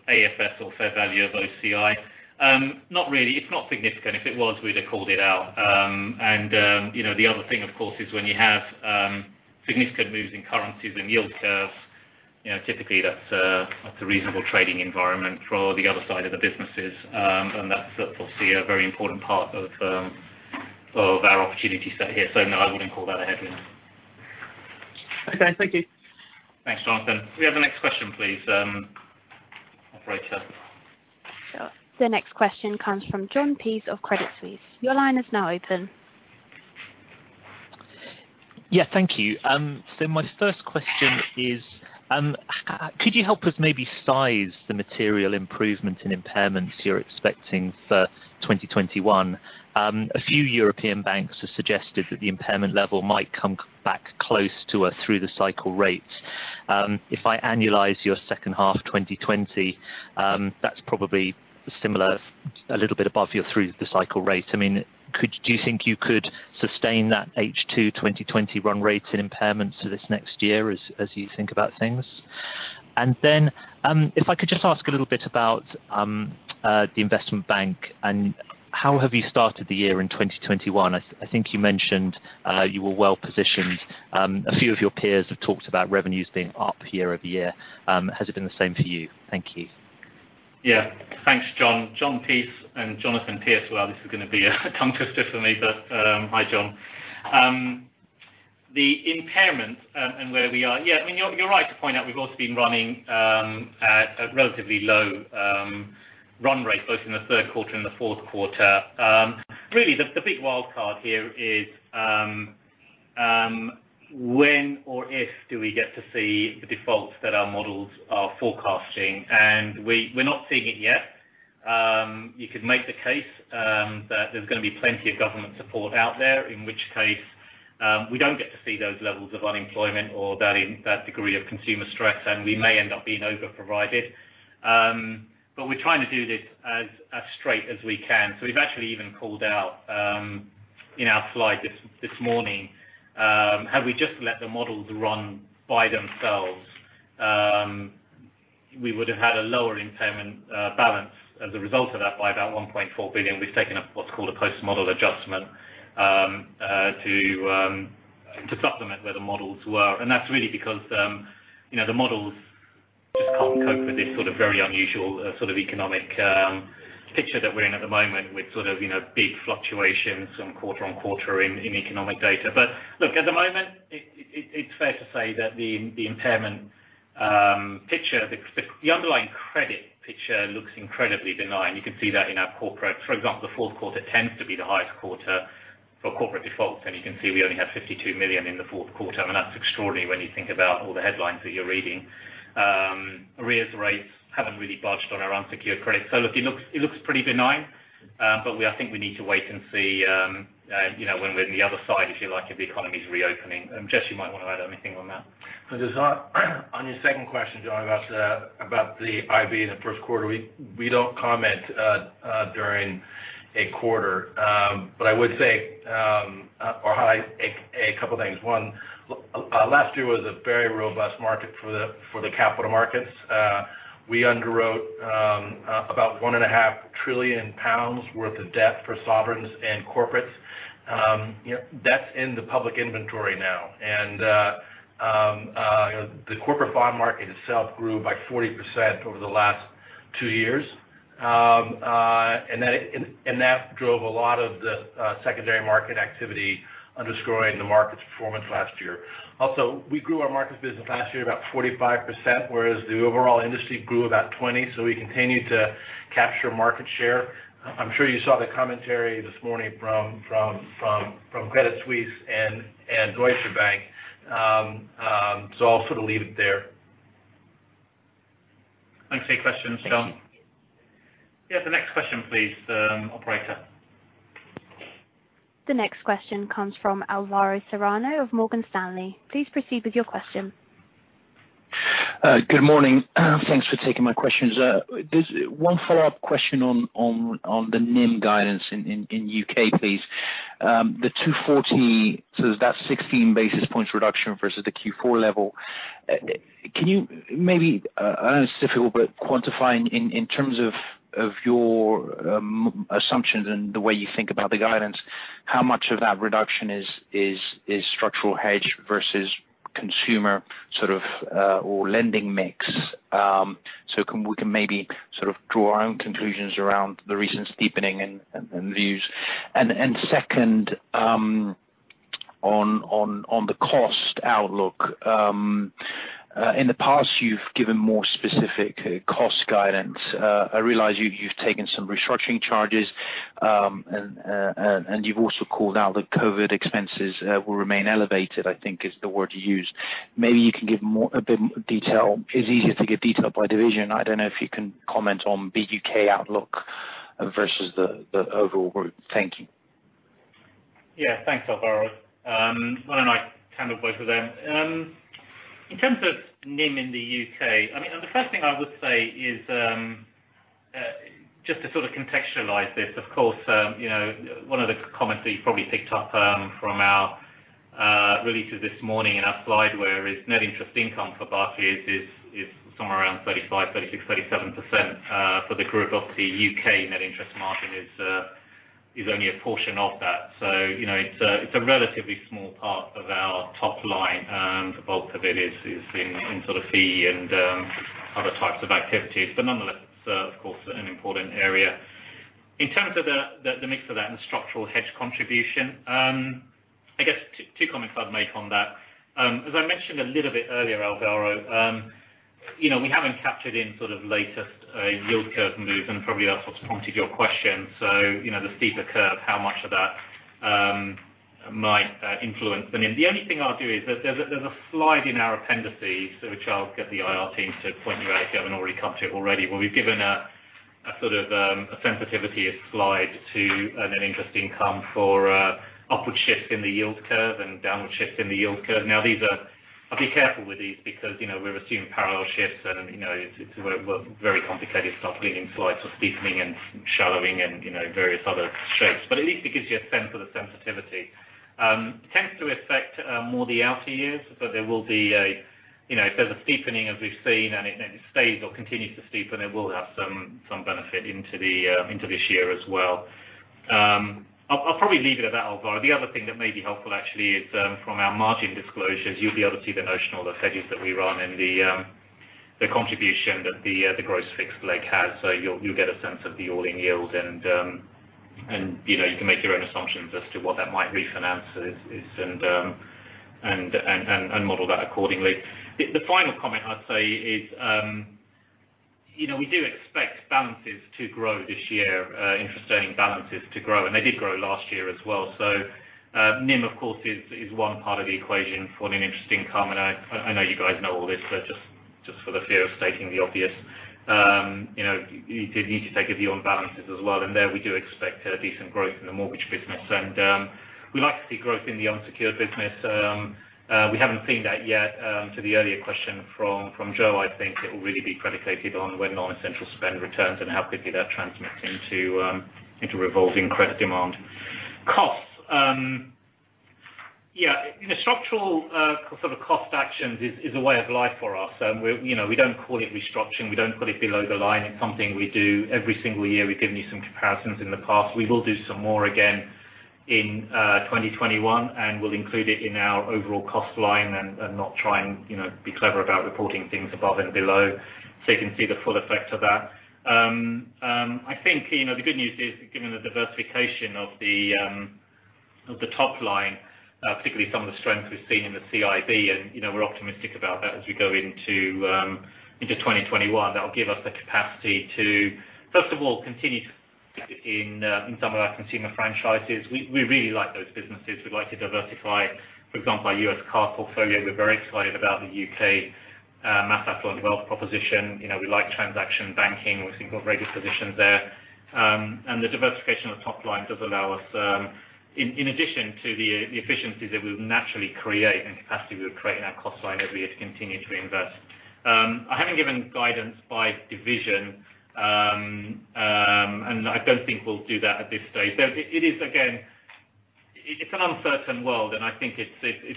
Speaker 3: AFS or fair value of OCI? Not really. It's not significant. If it was, we'd have called it out. The other thing, of course, is when you have significant moves in currencies and yield curves, typically that's a reasonable trading environment for the other side of the businesses. That's obviously a very important part of our opportunity set here. No, I wouldn't call that a headwind.
Speaker 5: Okay, thank you.
Speaker 3: Thanks, Jonathan. Can we have the next question, please, operator?
Speaker 1: Sure. The next question comes from Jon Peace of Credit Suisse. Your line is now open.
Speaker 6: Yeah, thank you. My first question is, could you help us maybe size the material improvement in impairments you're expecting for 2021? A few European banks have suggested that the impairment level might come back close to a through-the-cycle rate. If I annualize your second half 2020, that's probably similar, a little bit above your through-the-cycle rate. Do you think you could sustain that H2 2020 run rate in impairments to this next year as you think about things? If I could just ask a little bit about the investment bank and how have you started the year in 2021? I think you mentioned you were well-positioned. A few of your peers have talked about revenues being up year-over-year. Has it been the same for you? Thank you.
Speaker 3: Thanks, Jon. Jon Peace and Jonathan Pierce. Wow, this is going to be a tongue twister for me, hi, Jon. The impairment, where we are. You're right to point out we've also been running at a relatively low run rate, both in the third quarter and the fourth quarter. Really, the big wild card here is when or if do we get to see the defaults that our models are forecasting, we're not seeing it yet. You could make the case that there's going to be plenty of government support out there, in which case, we don't get to see those levels of unemployment or that degree of consumer stress, we may end up being over-provided. We're trying to do this as straight as we can. We've actually even called out in our slide this morning, had we just let the models run by themselves, we would have had a lower impairment balance as a result of that by about 1.4 billion. We've taken a what's called a post-model adjustment to supplement where the models were. That's really because the models just can't cope with this very unusual sort of economic picture that we're in at the moment with big fluctuations quarter on quarter in economic data. Look, at the moment, it's fair to say that the impairment picture, the underlying credit picture looks incredibly benign. You can see that in our corporate. For example, the fourth quarter tends to be the highest quarter for corporate defaults, and you can see we only have 52 million in the fourth quarter, and that's extraordinary when you think about all the headlines that you're reading. Arrears rates haven't really budged on our unsecured credit. Look, it looks pretty benign, but I think we need to wait and see when we're in the other side, if you like, of the economy's reopening. Jes, you might want to add anything on that.
Speaker 2: Just on your second question, Jon, about the IB in the first quarter, we don't comment during a quarter. I would say or highlight a couple of things. One, last year was a very robust market for the capital markets. We underwrote about 1.5 trillion pounds worth of debt for sovereigns and corporates. That's in the public inventory now. The corporate bond market itself grew by 40% over the last two years. That drove a lot of the secondary market activity underscoring the market's performance last year. Also, we grew our markets business last year about 45%, whereas the overall industry grew about 20%. We continued to capture market share. I'm sure you saw the commentary this morning from Credit Suisse and Deutsche Bank. I'll sort of leave it there.
Speaker 3: Thanks for your questions, Jon. Yes, the next question, please, operator.
Speaker 1: The next question comes from Alvaro Serrano of Morgan Stanley. Please proceed with your question.
Speaker 7: Good morning. Thanks for taking my questions. There's one follow-up question on the NIM guidance in U.K., please. The 2.40%, so that's 16 basis points reduction versus the Q4 level. Can you maybe, I don't know if it's difficult, but quantify in terms of your assumptions and the way you think about the guidance, how much of that reduction is structural hedge versus consumer sort of or lending mix? We can maybe draw our own conclusions around the recent steepening and views. Second, on the cost outlook. In the past, you've given more specific cost guidance. I realize you've taken some restructuring charges, and you've also called out that COVID expenses will remain elevated, I think is the word you used. Maybe you can give a bit more detail. It's easier to give detail by division. I don't know if you can comment on BUK outlook versus the overall Group. Thank you.
Speaker 3: Yeah, thanks, Alvaro. Why don't I handle both of them? In terms of NIM in the U.K., the first thing I would say is, just to contextualize this, of course, one of the comments that you probably picked up from our releases this morning in our slide where it's net interest income for Barclays is somewhere around 35, 36, 37% for the group. Obviously, U.K. net interest margin is only a portion of that. It's a relatively small part of our top line. The bulk of it is in fee and other types of activities. Nonetheless, of course, an important area. In terms of the mix of that and the structural hedge contribution, I guess two comments I'd make on that. As I mentioned a little bit earlier, Alvaro, we haven't captured in latest yield curve moves, and probably that pointed your question. The steeper curve, how much of that might influence the NIM. The only thing I'll do is there's a slide in our appendices, which I'll get the IR team to point you out if you haven't already come to it already, where we've given a sensitivity slide to net interest income for upward shift in the yield curve and downward shift in the yield curve. I'll be careful with these because we're assuming parallel shifts, and it's very complicated stuff, within slides of steepening and shallowing and various other shapes. At least it gives you a sense of the sensitivity. Tends to affect more the outer years, but if there's a steepening as we've seen, and it stays or continues to steepen, it will have some benefit into this year as well. I'll probably leave it at that, Alvaro. The other thing that may be helpful actually is from our margin disclosures. You'll be able to see the notional, the hedges that we run and the contribution that the gross fixed leg has. You'll get a sense of the all-in yield, and you can make your own assumptions as to what that might refinance and model that accordingly. The final comment I'd say is we do expect balances to grow this year, interest earning balances to grow, and they did grow last year as well. NIM, of course, is one part of the equation for net interest income. I know you guys know all this, but just for the fear of stating the obvious. You need to take a view on balances as well, and there we do expect a decent growth in the mortgage business. We like to see growth in the unsecured business. We haven't seen that yet. To the earlier question from Joe, I think it will really be predicated on when non-essential spend returns and how quickly that transmits into revolving credit demand. Costs. Yeah. Structural cost actions is a way of life for us. We don't call it restructuring. We don't put it below the line. It's something we do every single year. We've given you some comparisons in the past. We will do some more again in 2021, and we'll include it in our overall cost line and not try and be clever about reporting things above and below, so you can see the full effect of that. I think the good news is given the diversification of the top line, particularly some of the strength we've seen in the CIB, and we're optimistic about that as we go into 2021. That will give us the capacity to, first of all, continue to invest in some of our consumer franchises. We really like those businesses. We'd like to diversify, for example, our U.S. card portfolio. We're very excited about the U.K. mass affluent wealth proposition. We like transaction banking. We think we've got a great position there. The diversification of top line does allow us, in addition to the efficiencies that we naturally create and capacity we would create in our cost line as we continue to invest. I haven't given guidance by division, and I don't think we'll do that at this stage. It is, again, it's an uncertain world, and I think it's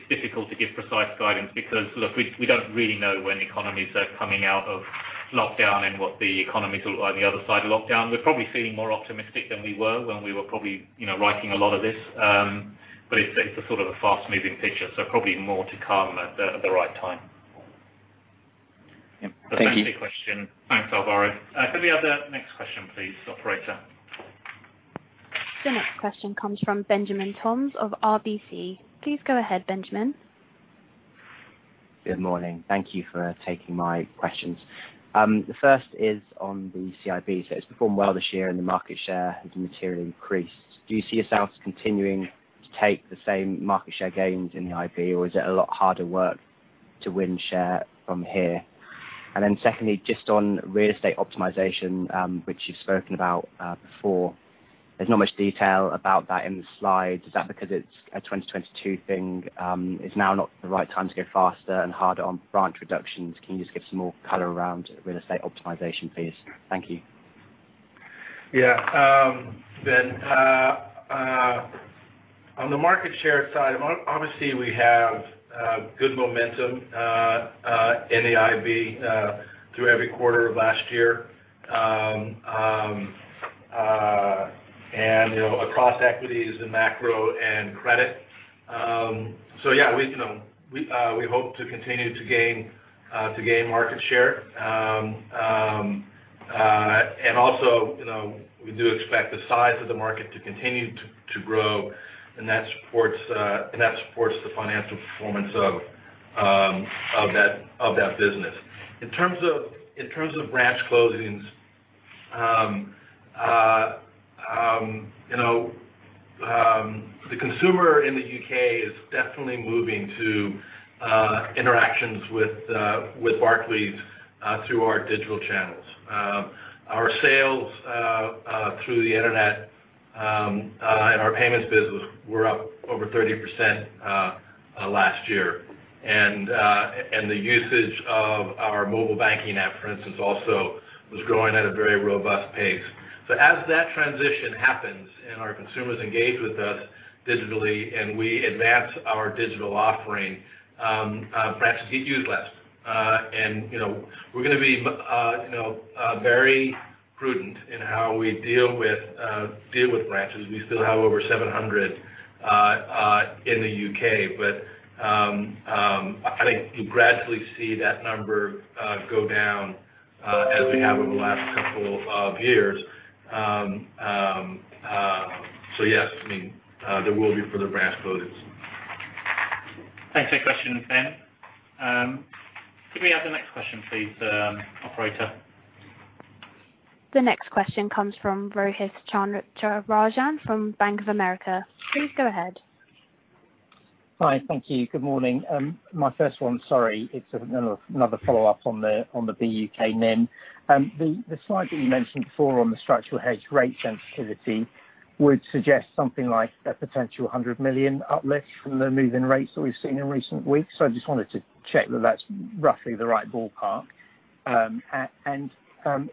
Speaker 3: difficult to give precise guidance because, look, we don't really know when economies are coming out of lockdown and what the economy looks like on the other side of lockdown. We're probably feeling more optimistic than we were when we were probably writing a lot of this. It's a fast-moving picture, probably more to come at the right time.
Speaker 7: Thank you.
Speaker 3: Thanks, Alvaro. Can we have the next question please, operator?
Speaker 1: The next question comes from Benjamin Toms of RBC. Please go ahead, Benjamin.
Speaker 8: Good morning. Thank you for taking my questions. The first is on the CIB. It's performed well this year, and the market share has materially increased. Do you see yourselves continuing to take the same market share gains in the IB, or is it a lot harder work to win share from here? Secondly, just on real estate optimization, which you've spoken about before. There's not much detail about that in the slides. Is that because it's a 2022 thing? Is now not the right time to go faster and harder on branch reductions? Can you just give some more color around real estate optimization, please? Thank you.
Speaker 2: Ben, on the market share side, obviously we have good momentum in the IB through every quarter of last year, across equities and macro and credit. We hope to continue to gain market share. Also, we do expect the size of the market to continue to grow, and that supports the financial performance of that business. In terms of branch closings, the consumer in the U.K. is definitely moving to interactions with Barclays through our digital channels. Our sales through the internet and our payments business were up over 30% last year. The usage of our mobile banking app, for instance, also was growing at a very robust pace. As that transition happens, and our consumers engage with us digitally, and we advance our digital offering, branches get used less. We're going to be very prudent in how we deal with branches. We still have over 700 in the U.K. I think you gradually see that number go down as we have over the last couple of years. Yes, there will be further branch closings.
Speaker 3: Thanks for your question, Ben. Can we have the next question please, operator?
Speaker 1: The next question comes from Rohith Chandra-Rajan from Bank of America. Please go ahead.
Speaker 9: Hi. Thank you. Good morning. My first one, sorry, it's another follow-up on the BUK NIM. The slide that you mentioned before on the structural hedge rate sensitivity would suggest something like a potential 100 million uplift from the move in rates that we've seen in recent weeks. I just wanted to check that's roughly the right ballpark.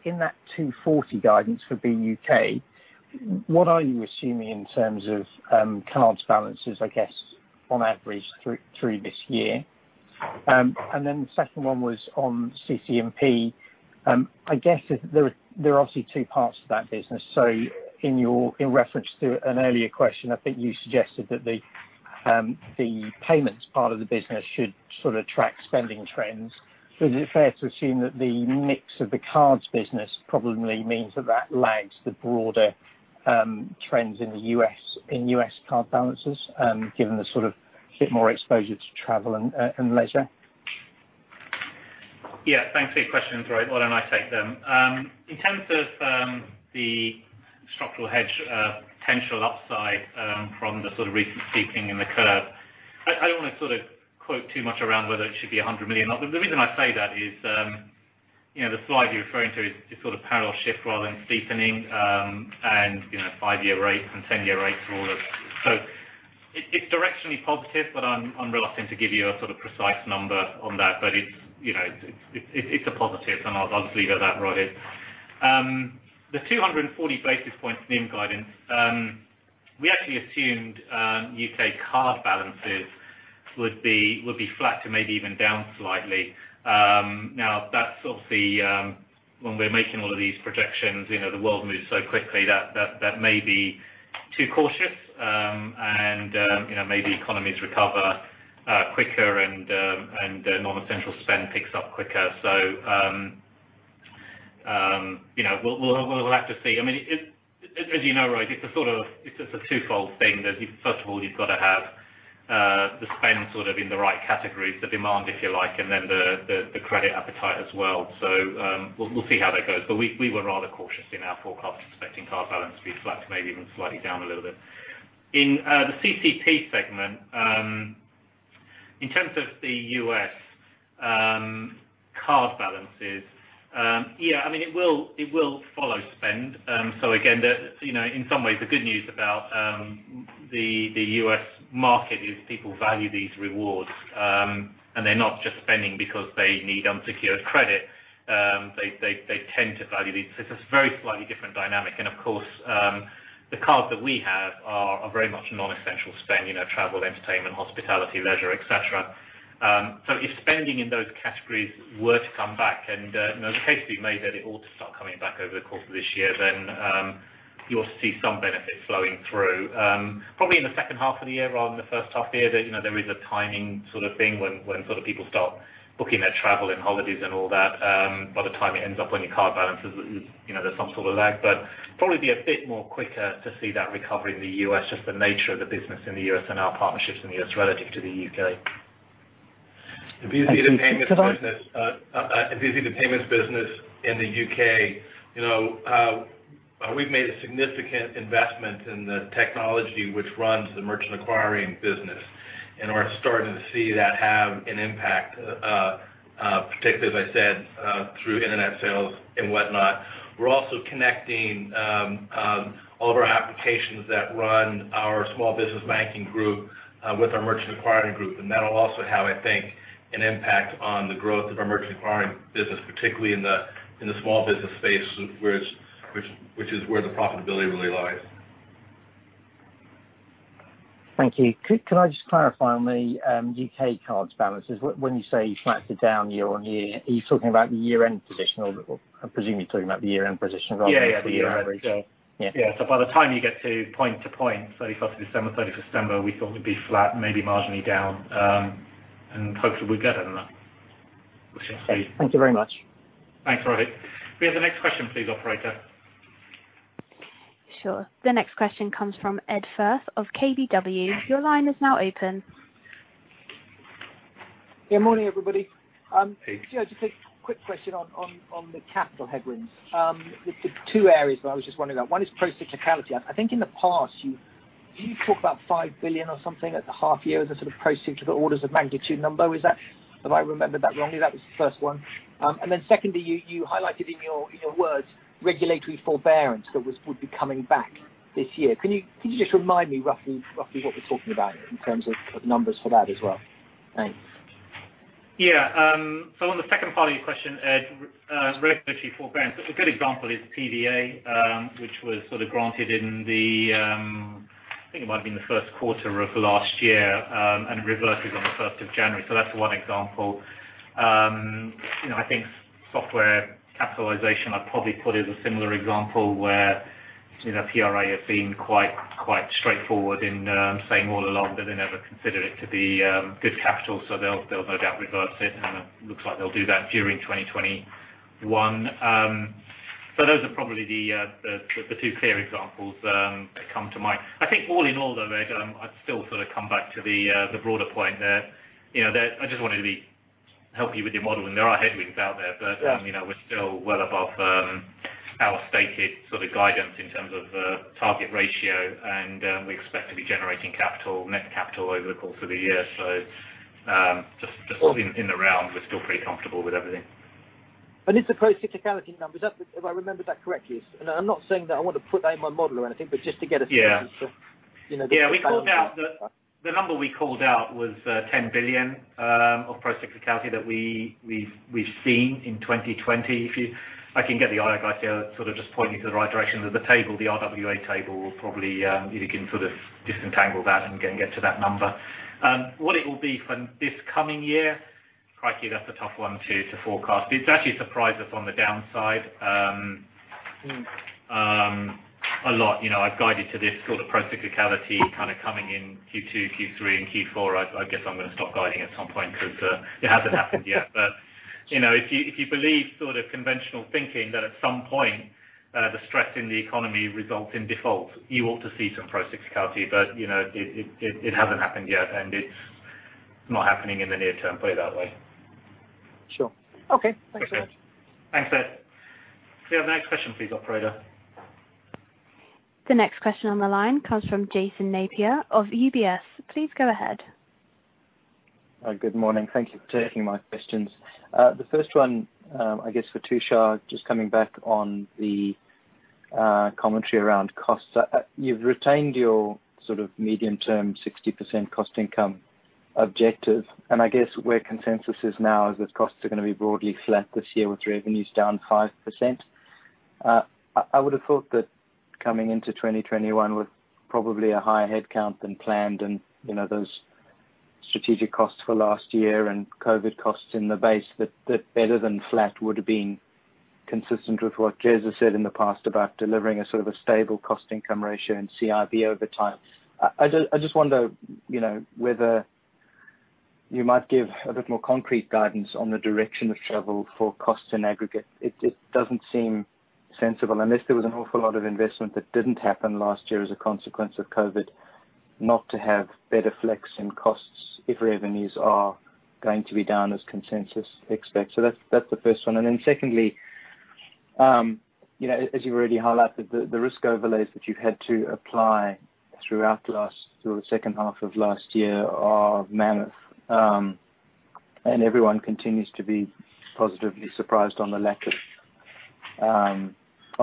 Speaker 9: In that 240 basis points guidance for BUK, what are you assuming in terms of cards balances, I guess, on average through this year? The second one was on CC&P. I guess there are obviously two parts to that business. In reference to an earlier question, I think you suggested that the payments part of the business should track spending trends. Is it fair to assume that the mix of the cards business probably means that lags the broader trends in U.S. card balances, given the bit more exposure to travel and leisure?
Speaker 3: Thanks for your questions, Rohith. Why don't I take them? In terms of the structural hedge potential upside from the recent steepening in the curve, I don't want to quote too much around whether it should be 100 million. The reason I say that is, the slide you're referring to is parallel shift rather than steepening, and five-year rates and 10-year rates are all over. It's directionally positive, but I'm reluctant to give you a precise number on that. It's a positive, and I'll just leave it at that, Rohith. The 240 basis points NIM guidance, we actually assumed U.K. card balances would be flat to maybe even down slightly. That's obviously, when we're making all of these projections, the world moves so quickly that that may be too cautious. Maybe economies recover quicker and non-essential spend picks up quicker. We'll have to see. As you know, Rohith, it's a twofold thing. First of all, you've got to have the spend in the right categories, the demand, if you like, and then the credit appetite as well. We'll see how that goes. We were rather cautious in our forecast, expecting card balance to be flat to maybe even slightly down a little bit. In the CCP segment, in terms of the U.S. card balances, it will follow spend. Again, in some ways, the good news about the U.S. market is people value these rewards. They're not just spending because they need unsecured credit. They tend to value these. It's a very slightly different dynamic. Of course, the cards that we have are very much non-essential spend, travel, entertainment, hospitality, leisure, et cetera. If spending in those categories were to come back, and there's a case to be made that it ought to start coming back over the course of this year, you ought to see some benefits flowing through. Probably in the second half of the year rather than the first half of the year. There is a timing thing when people start booking their travel and holidays and all that. By the time it ends up on your card balances, there's some sort of lag, but probably be a bit more quicker to see that recovery in the U.S., just the nature of the business in the U.S. and our partnerships in the U.S. relative to the U.K.
Speaker 2: If you see the payments business in the U.K., we've made a significant investment in the technology which runs the merchant acquiring business. We're starting to see that have an impact, particularly, as I said, through internet sales and whatnot. We're also connecting all of our applications that run our small business banking group with our merchant acquiring group. That'll also have, I think, an impact on the growth of our merchant acquiring business, particularly in the small business space, which is where the profitability really lies.
Speaker 9: Thank you. Could I just clarify on the U.K. cards balances, when you say you're flat to down year-over-year, are you talking about the year-end position or I presume you're talking about the year-end position rather than the year average?
Speaker 3: Yeah. By the time you get to point to point, 31st of December, 30 September, we thought we'd be flat, maybe marginally down, and hopefully we'll get better than that, which we'll see.
Speaker 9: Thank you very much.
Speaker 3: Thanks, Rohith. Can we have the next question please, operator?
Speaker 1: Sure. The next question comes from Ed Firth of KBW. Your line is now open.
Speaker 10: Yeah. Morning, everybody.
Speaker 3: Hey.
Speaker 10: Just a quick question on the capital headwinds. Two areas that I was just wondering about. One is procyclicality. I think in the past, you talk about 5 billion or something at the half year as a sort of procyclical orders of magnitude number. Have I remembered that wrongly? That was the first one. Secondly, you highlighted in your words, regulatory forbearance that would be coming back this year. Can you just remind me roughly what we're talking about in terms of numbers for that as well? Thanks.
Speaker 3: Yeah. On the second part of your question, Ed, regulatory forbearance. A good example is PVA, which was sort of granted in the, I think it might have been the first quarter of last year, and it reverses on the 1st of January. That's one example. I think software capitalization I'd probably put as a similar example where PRA has been quite straightforward in saying all along that they never consider it to be good capital, so they'll no doubt reverse it. It looks like they'll do that during 2021. Those are probably the two clear examples that come to mind. I think all in all, though, Ed, I'd still come back to the broader point there. I just wanted to help you with your modeling. There are headwinds out there, but.
Speaker 10: Yeah.
Speaker 3: We're still well above our stated sort of guidance in terms of target ratio, and we expect to be generating net capital over the course of the year. Just in the round, we're still pretty comfortable with everything.
Speaker 10: It's the procyclicality numbers, if I remember that correctly. I'm not saying that I want to put that in my model or anything, but just to get a sense of the balance of that.
Speaker 3: Yeah. The number we called out was 10 billion of procyclicality that we've seen in 2020. If I can get the IR guys here sort of just point me to the right direction of the table, the RWA table will probably, you can sort of disentangle that and get to that number. What it will be for this coming year, crikey that's a tough one to forecast. It's actually surprised us on the downside a lot. I've guided to this sort of procyclicality kind of coming in Q2, Q3, and Q4. I guess I'm going to stop guiding at some point because it hasn't happened yet. If you believe sort of conventional thinking that at some point the stress in the economy results in default, you ought to see some procyclicality. It hasn't happened yet, and it's not happening in the near term, put it that way.
Speaker 10: Sure. Okay. Thanks so much.
Speaker 3: Thanks, Ed. Can we have the next question please, operator?
Speaker 1: The next question on the line comes from Jason Napier of UBS. Please go ahead.
Speaker 11: Good morning. Thank you for taking my questions. The first one, I guess for Tushar, just coming back on the commentary around costs. You've retained your sort of medium-term 60% cost-income ratio objective. I guess where consensus is now is that costs are going to be broadly flat this year with revenues down 5%. I would have thought that coming into 2021 with probably a higher headcount than planned and those strategic costs for last year and COVID costs in the base that better than flat would have been consistent with what Jes has said in the past about delivering a sort of a stable cost-income ratio and CIB over time. I just wonder whether you might give a bit more concrete guidance on the direction of travel for costs in aggregate. It doesn't seem sensible, unless there was an awful lot of investment that didn't happen last year as a consequence of COVID, not to have better flex in costs if revenues are going to be down as consensus expects. That's the first one. Secondly, as you already highlighted, the risk overlays that you've had to apply throughout the second half of last year are mammoth, and everyone continues to be positively surprised on the lack of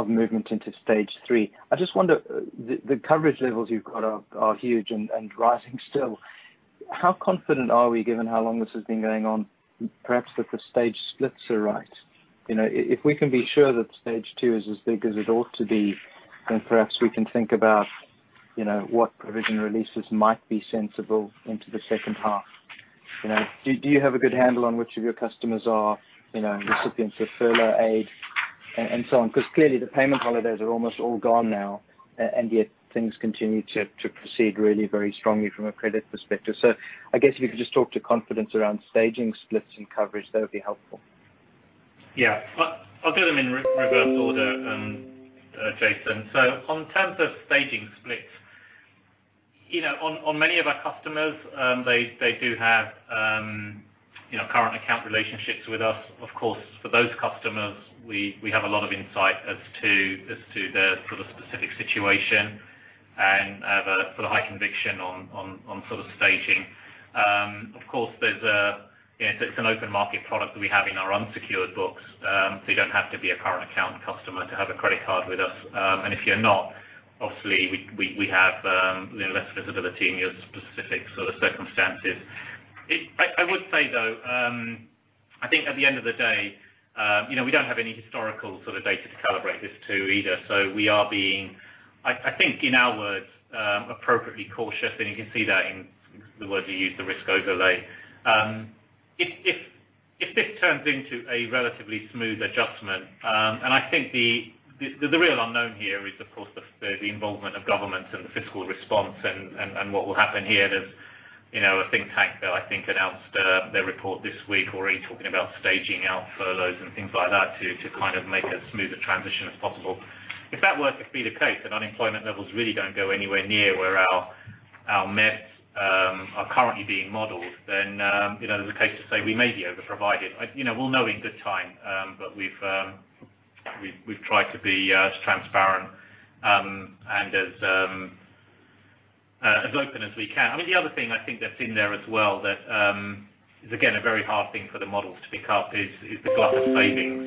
Speaker 11: movement into Stage 3. I just wonder, the coverage levels you've got are huge and rising still. How confident are we, given how long this has been going on, perhaps that the stage splits are right? If we can be sure that Stage 2 is as big as it ought to be, perhaps we can think about what provision releases might be sensible into the second half. Do you have a good handle on which of your customers are recipients of furlough aid and so on? Clearly the payment holidays are almost all gone now, yet things continue to proceed really very strongly from a credit perspective. I guess if you could just talk to confidence around staging splits and coverage, that would be helpful.
Speaker 3: I'll do them in reverse order, Jason. On terms of staging splits, on many of our customers, they do have current account relationships with us. Of course, for those customers, we have a lot of insight as to their specific situation and have a high conviction on staging. Of course, it's an open market product that we have in our unsecured books, so you don't have to be a current account customer to have a credit card with us. If you're not, obviously we have less visibility in your specific circumstances. I would say, though, I think at the end of the day, we don't have any historical data to calibrate this to either. We are being, I think in our words, appropriately cautious, and you can see that in the words you used, the risk overlay. If this turns into a relatively smooth adjustment, I think the real unknown here is, of course, the involvement of governments and the fiscal response and what will happen here. There's a think tank that I think announced their report this week already talking about staging out furloughs and things like that to kind of make as smooth a transition as possible. If that were to be the case, that unemployment levels really don't go anywhere near where our MEVs are currently being modeled, then there's a case to say we may be over-provided. We'll know in good time, we've tried to be as transparent and as open as we can. I mean, the other thing I think that's in there as well that is, again, a very hard thing for the models to pick up is the glut of savings.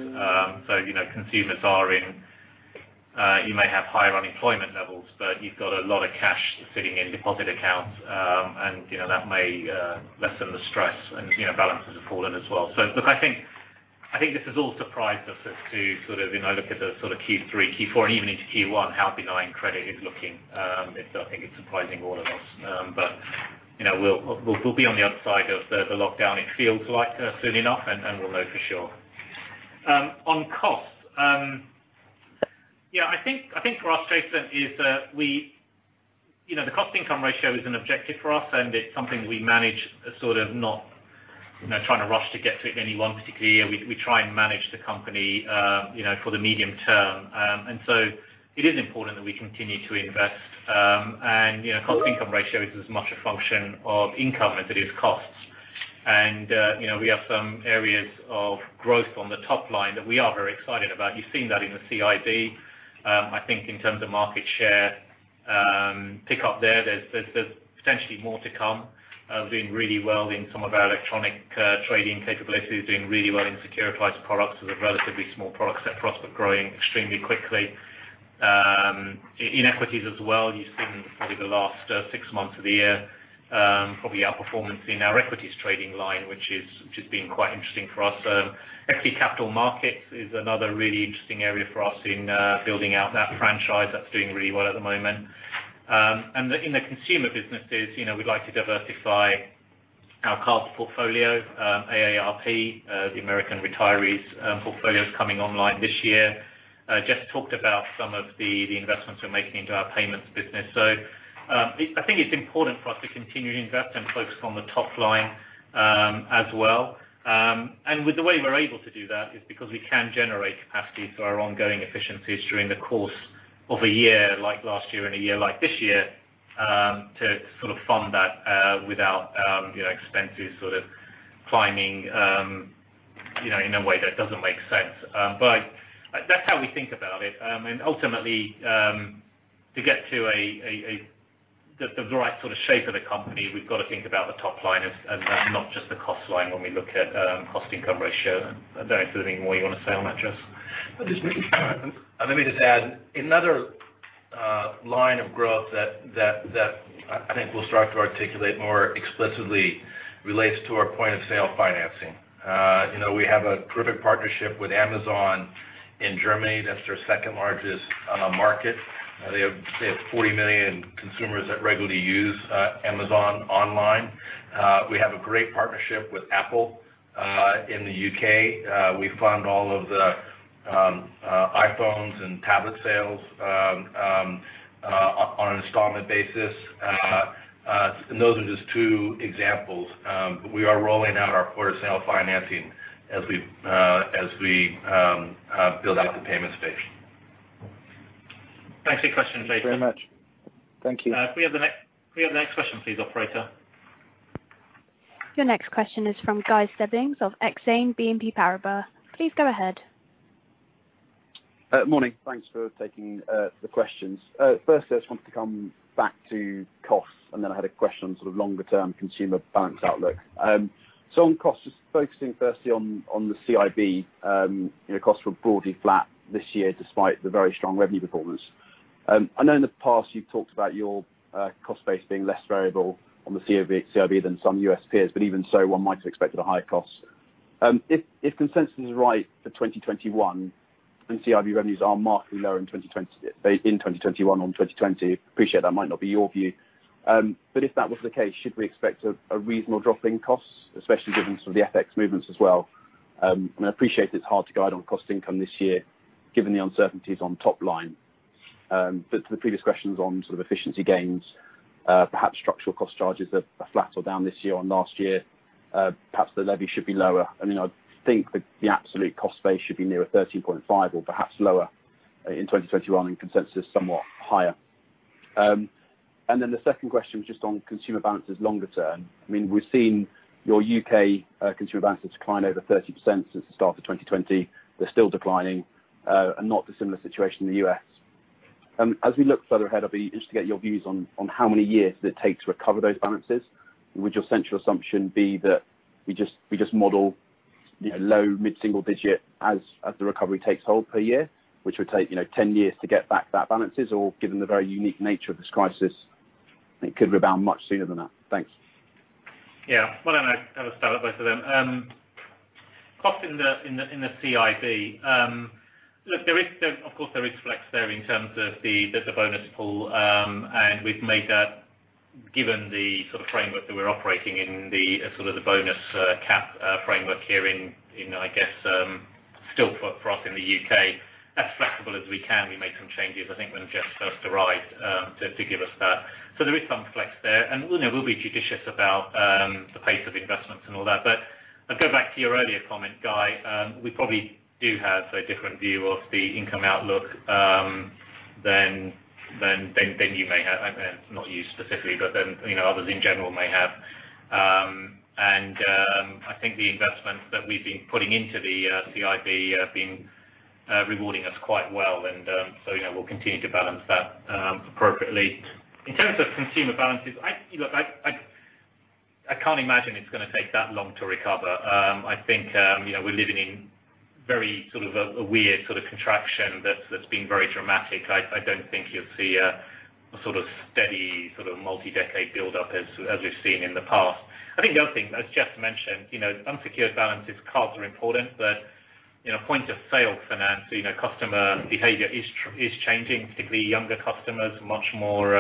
Speaker 3: You may have higher unemployment levels, but you've got a lot of cash sitting in deposit accounts, and that may lessen the stress, and balances have fallen as well. Look, I think this has all surprised us as to look at the Q3, Q4, and even into Q1, how benign credit is looking. I think it's surprising all of us. We'll be on the other side of the lockdown, it feels like soon enough, and we'll know for sure. On costs, I think for us, Jason, the cost-income ratio is an objective for us, and it's something we manage sort of not trying to rush to get to in any one particular year. We try and manage the company for the medium term. It is important that we continue to invest, cost-income ratio is as much a function of income as it is costs. We have some areas of growth on the top line that we are very excited about. You've seen that in the CIB. I think in terms of market share pick up there's potentially more to come. Doing really well in some of our electronic trading capabilities, doing really well in securitized products as a relatively small product set for us, but growing extremely quickly. In equities as well, you've seen probably the last six months of the year, probably outperformance in our equities trading line, which has been quite interesting for us. Equity capital markets is another really interesting area for us in building out that franchise. That's doing really well at the moment. In the consumer businesses, we'd like to diversify our card portfolio, AARP, the American retirees portfolio is coming online this year. Jes talked about some of the investments we're making into our payments business. I think it's important for us to continue to invest and focus on the top line as well. With the way we're able to do that is because we can generate capacity through our ongoing efficiencies during the course of a year like last year and a year like this year to sort of fund that without expenses sort of climbing in a way that doesn't make sense. That's how we think about it. Ultimately, to get to the right sort of shape of the company, we've got to think about the top line and not just the cost line when we look at cost-income ratio. I don't know if there's anything more you want to say on that, Jes.
Speaker 2: Let me just add another line of growth that I think we'll start to articulate more explicitly relates to our point of sale financing. We have a terrific partnership with Amazon in Germany. That's their second largest market. They have 40 million consumers that regularly use Amazon online. We have a great partnership with Apple in the U.K. We fund all of the iPhones and tablet sales on an installment basis. Those are just two examples. We are rolling out our point of sale financing as we build out the payment space.
Speaker 3: Thanks for your question, Jason.
Speaker 11: Thank you very much. Thank you.
Speaker 3: Can we have the next question, please, operator?
Speaker 1: Your next question is from Guy Stebbings of Exane BNP Paribas. Please go ahead.
Speaker 12: Morning. Thanks for taking the questions. First, I just wanted to come back to costs, and then I had a question on sort of longer-term consumer balance outlook. On costs, just focusing firstly on the CIB, costs were broadly flat this year despite the very strong revenue performance. I know in the past you've talked about your cost base being less variable on the CIB than some U.S. peers. Even so, one might have expected a higher cost. If consensus is right for 2021 and CIB revenues are markedly lower in 2021 on 2020, appreciate that might not be your view. If that was the case, should we expect a reasonable drop in costs, especially given some of the FX movements as well? I appreciate it's hard to guide on cost income this year given the uncertainties on top line. To the previous questions on sort of efficiency gains, perhaps structural cost charges are flat or down this year on last year. Perhaps the levy should be lower. I think the absolute cost base should be nearer 13.5 billion or perhaps lower in 2021, and consensus somewhat higher. The second question was just on consumer balances longer term. We've seen your U.K. consumer balances decline over 30% since the start of 2020. They're still declining, and not the similar situation in the U.S. As we look further ahead, I'd be interested to get your views on how many years it takes to recover those balances. Would your central assumption be that we just model low mid-single digit as the recovery takes hold per year, which would take 10 years to get back that balances, or given the very unique nature of this crisis, it could rebound much sooner than that? Thanks.
Speaker 3: Yeah. Why don't I have a start at both of them? Cost in the CIB. Look, of course, there is flex there in terms of the bonus pool, and we've made that given the sort of framework that we're operating in, the sort of bonus cap framework here in, I guess, still for us in the U.K., as flexible as we can. We made some changes, I think when Jes started to write to give us that. There is some flex there, and we'll be judicious about the pace of investments and all that. I'd go back to your earlier comment, Guy. We probably do have a different view of the income outlook than you may have. Not you specifically, but than others in general may have. I think the investments that we've been putting into the CIB have been rewarding us quite well. We'll continue to balance that appropriately. In terms of consumer balances, I can't imagine it's going to take that long to recover. I think we are living in very sort of a weird sort of contraction that's been very dramatic. I don't think you'll see a sort of steady multi-decade buildup as we've seen in the past. I think the other thing, as Jes mentioned, unsecured balances, cards are important, but point of sale finance, customer behavior is changing, particularly younger customers are much more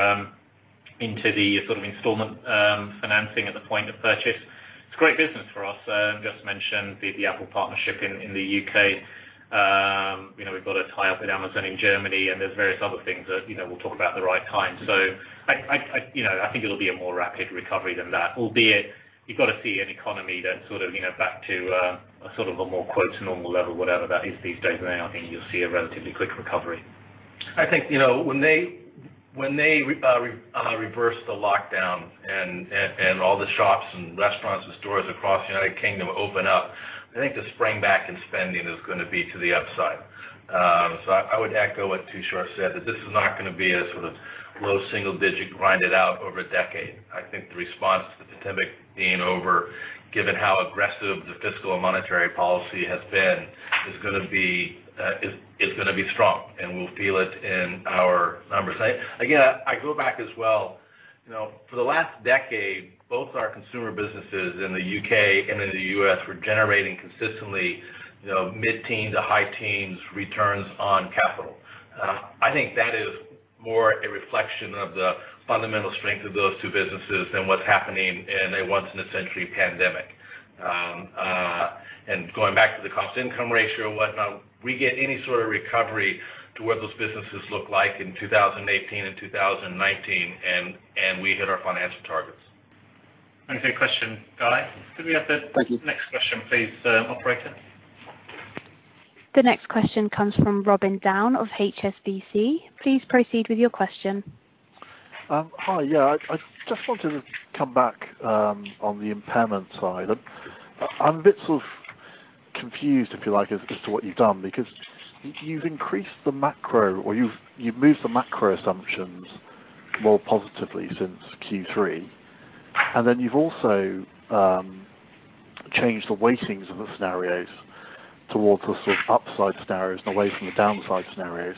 Speaker 3: into the sort of installment financing at the point of purchase. It's great business for us. Jes mentioned the Apple partnership in the U.K. We've got a tie-up with Amazon in Germany. There's various other things that we'll talk about at the right time. I think it'll be a more rapid recovery than that, albeit you've got to see an economy that's sort of back to a sort of a more quote normal level, whatever that is these days. Then I think you'll see a relatively quick recovery.
Speaker 2: I think when they reverse the lockdown and all the shops and restaurants and stores across the United Kingdom open up, I think the spring back in spending is going to be to the upside. I would echo what Tushar said, that this is not going to be a sort of low single-digit grinded out over a decade. I think the response to the pandemic being over, given how aggressive the fiscal and monetary policy has been, is going to be strong, and we'll feel it in our numbers. Again, I go back as well. For the last decade, both our consumer businesses in the U.K. and in the U.S. were generating consistently mid-teen to high-teens returns on capital. I think that is more a reflection of the fundamental strength of those two businesses than what's happening in a once-in-a-century pandemic. Going back to the cost-income ratio and whatnot, we get any sort of recovery to what those businesses look like in 2018 and 2019, and we hit our financial targets.
Speaker 3: Thanks for your question, Guy. Could we have the?
Speaker 12: Thank you.
Speaker 3: Next question please, operator?
Speaker 1: The next question comes from Robin Down of HSBC. Please proceed with your question.
Speaker 13: Hi. Yeah. I just wanted to come back on the impairment side. I'm a bit sort of confused, if you like, as to what you've done, because you've increased the macro or you've moved the macro assumptions more positively since Q3, and then you've also changed the weightings of the scenarios towards the sort of upside scenarios and away from the downside scenarios.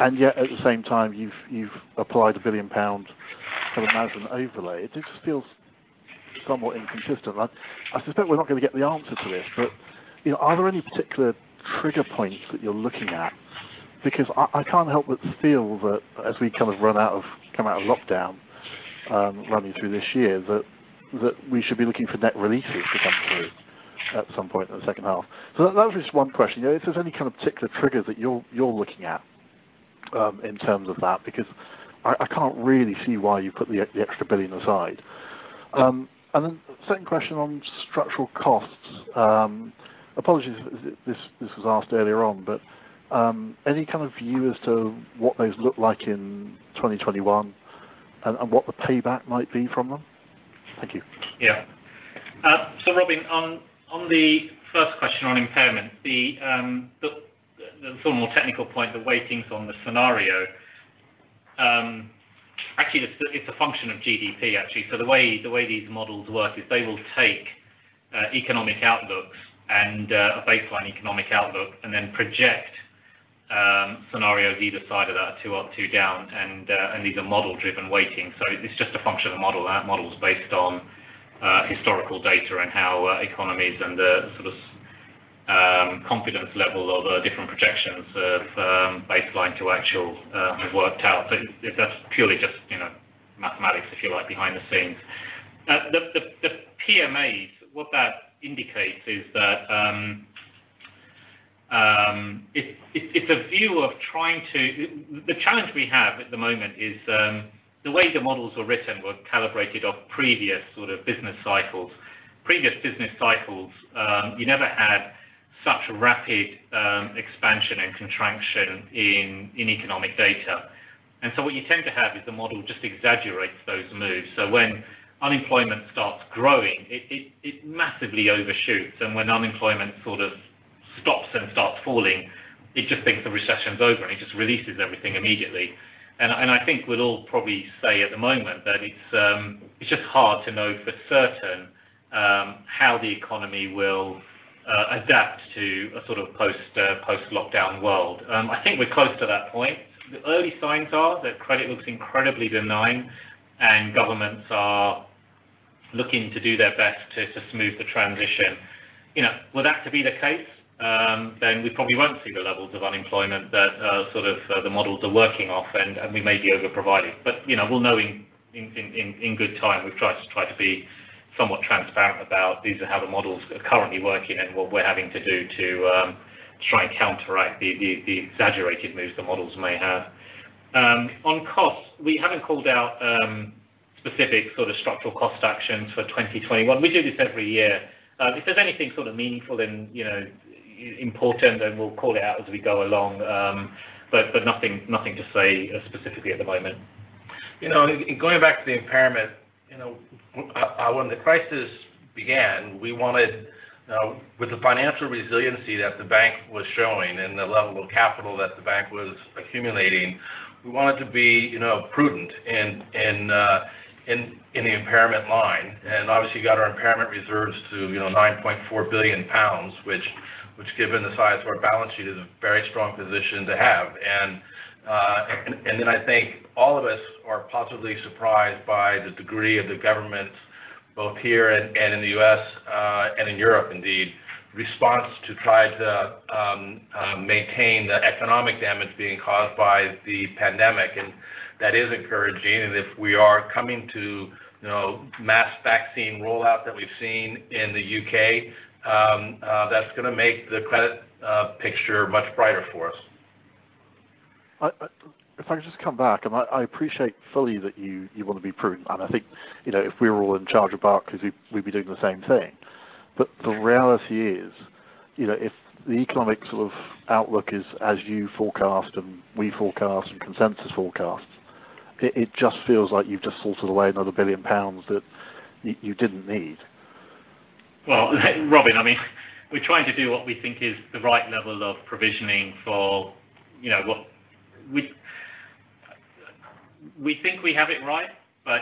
Speaker 13: Yet at the same time you've applied 1 billion pound for management overlay. It just feels somewhat inconsistent. I suspect we're not going to get the answer to this, but are there any particular trigger points that you're looking at? I can't help but feel that as we kind of come out of lockdown running through this year, that we should be looking for net releases to come through at some point in the second half. That was just one question. If there's any kind of particular trigger that you're looking at in terms of that, because I can't really see why you put the extra 1 billion aside. Second question on structural costs. Apologies if this was asked earlier on, any kind of view as to what those look like in 2021 and what the payback might be from them? Thank you.
Speaker 3: Yeah. Robin, on the first question on impairment, the sort of more technical point, the weightings on the scenario. Actually it's a function of GDP, actually. The way these models work is they will take economic outlooks and a baseline economic outlook and then project scenario, either side of that two up, two down. These are model-driven weightings. It's just a function of model. Our model is based on historical data and how economies and the confidence level of the different projections of baseline to actual have worked out. That's purely just mathematics, if you like, behind the scenes. The PMAs, what that indicates is that it's a view of. The challenge we have at the moment is the way the models were written, were calibrated off previous business cycles. Previous business cycles, you never had such rapid expansion and contraction in economic data. What you tend to have is the model just exaggerates those moves. When unemployment starts growing, it massively overshoots. When unemployment sort of stops and starts falling, it just thinks the recession is over, and it just releases everything immediately. I think we'd all probably say at the moment that it's just hard to know for certain how the economy will adapt to a post-lockdown world. I think we're close to that point. The early signs are that credit looks incredibly benign and governments are looking to do their best to smooth the transition. With that to be the case, we probably won't see the levels of unemployment that the models are working off, and we may be over-providing. We'll know in good time. We've tried to be somewhat transparent about these are how the models are currently working and what we're having to do to try and counteract the exaggerated moves the models may have. On cost, we haven't called out specific structural cost actions for 2021. We do this every year. If there's anything meaningful and important, then we'll call it out as we go along. Nothing to say specifically at the moment.
Speaker 2: Going back to the impairment, when the crisis began, with the financial resiliency that the bank was showing and the level of capital that the bank was accumulating, we wanted to be prudent in the impairment line, and obviously got our impairment reserves to 9.4 billion pounds, which given the size of our balance sheet, is a very strong position to have. Then I think all of us are positively surprised by the degree of the government, both here and in the U.S., and in Europe indeed, response to try to maintain the economic damage being caused by the pandemic. That is encouraging. If we are coming to mass vaccine rollout that we've seen in the U.K., that's going to make the credit picture much brighter for us.
Speaker 13: If I could just come back, and I appreciate fully that you want to be prudent, and I think if we were all in charge of Barclays, we'd be doing the same thing. The reality is, if the economic sort of outlook is as you forecast, and we forecast, and consensus forecasts, it just feels like you've just sorted away another 1 billion pounds that you didn't need.
Speaker 3: Well, Robin, we're trying to do what we think is the right level of provisioning. We think we have it right,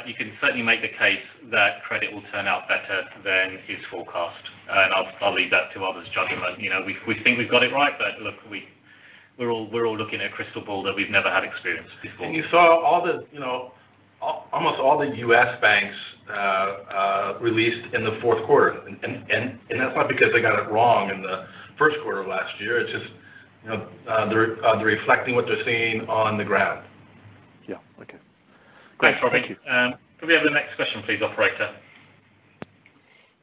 Speaker 3: you can certainly make the case that credit will turn out better than is forecast, I'll leave that to others' judgment. We think we've got it right, look, we're all looking at a crystal ball that we've never had experience before.
Speaker 2: You saw almost all the U.S. banks released in the fourth quarter. That's not because they got it wrong in the first quarter of last year. It's just they're reflecting what they're seeing on the ground.
Speaker 13: Yeah. Okay. Great. Thank you.
Speaker 3: Thanks, Robin. Can we have the next question please, Operator?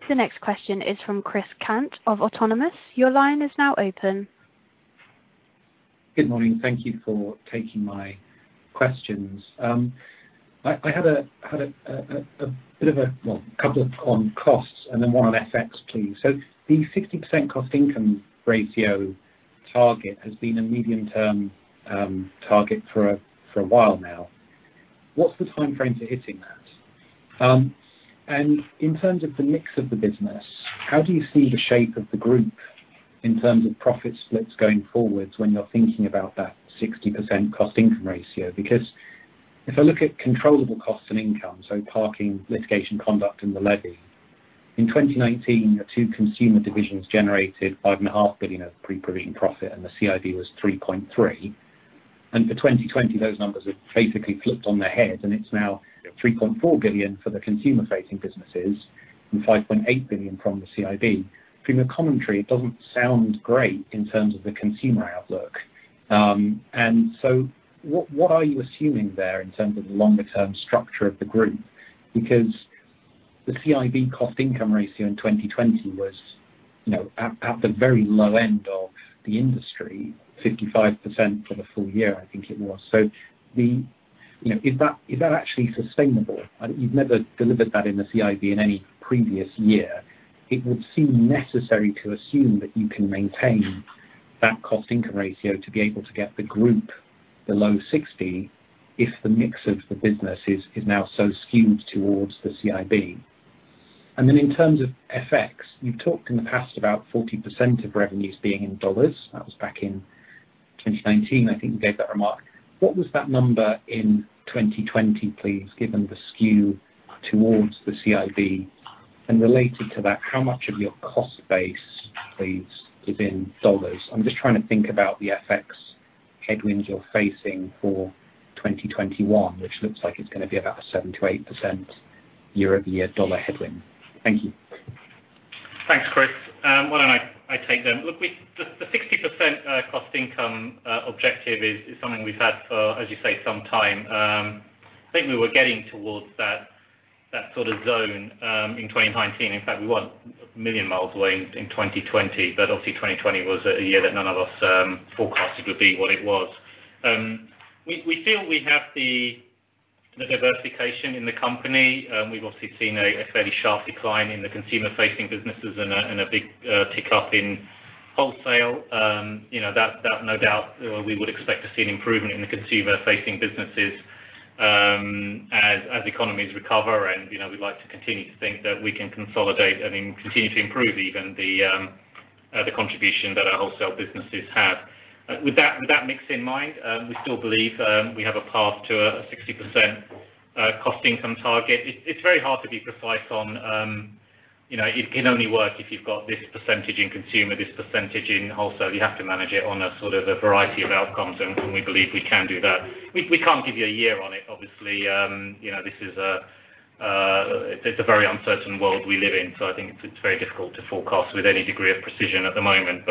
Speaker 1: The next question is from Chris Cant of Autonomous. Your line is now open.
Speaker 14: Good morning. Thank you for taking my questions. I had a bit of a, well, couple on costs and then one on FX, please. The 60% cost-income ratio target has been a medium-term target for a while now. What's the timeframe to hitting that? In terms of the mix of the business, how do you see the shape of the Group in terms of profit splits going forwards when you're thinking about that 60% cost-income ratio? If I look at controllable costs and income, parking, litigation conduct, and the levy, in 2019, the two consumer divisions generated 5.5 billion of pre-provision profit, and the CIB was 3.3 billion. For 2020, those numbers have basically flipped on their head, and it's now 3.4 billion for the consumer-facing businesses and 5.8 billion from the CIB. From your commentary, it doesn't sound great in terms of the consumer outlook. What are you assuming there in terms of the longer term stock share of the Group? The CIB cost-income ratio in 2020 was at the very low end of the industry, 55% for the full year, I think it was. Is that actually sustainable? You've never delivered that in the CIB in any previous year. It would seem necessary to assume that you can maintain that cost-income ratio to be able to get the Group below 60% if the mix of the business is now so skewed towards the CIB. In terms of FX, you've talked in the past about 40% of revenues being in dollars. That was back in 2019, I think you gave that remark. What was that number in 2020, please, given the skew towards the CIB? Related to that, how much of your cost base is in dollars? I'm just trying to think about the FX headwinds you're facing for 2021, which looks like it's going to be about a 7%-8% year-over-year dollar headwind. Thank you.
Speaker 3: Thanks, Chris. Why don't I take them? Look, the 60% cost income objective is something we've had for, as you say, some time. I think we were getting towards that sort of zone in 2019. In fact, we weren't a million miles away in 2020. Obviously 2020 was a year that none of us forecasted would be what it was. We feel we have the diversification in the company. We've obviously seen a fairly sharp decline in the consumer-facing businesses and a big tick up in wholesale. No doubt, we would expect to see an improvement in the consumer-facing businesses as economies recover. We'd like to continue to think that we can consolidate and continue to improve even the contribution that our wholesale businesses have. With that mix in mind, we still believe we have a path to a 60% cost income target. It's very hard to be precise on. It can only work if you've got this percentage in consumer, this percentage in wholesale. You have to manage it on a variety of outcomes, and we believe we can do that. We can't give you a year on it, obviously. It's a very uncertain world we live in, I think it's very difficult to forecast with any degree of precision at the moment.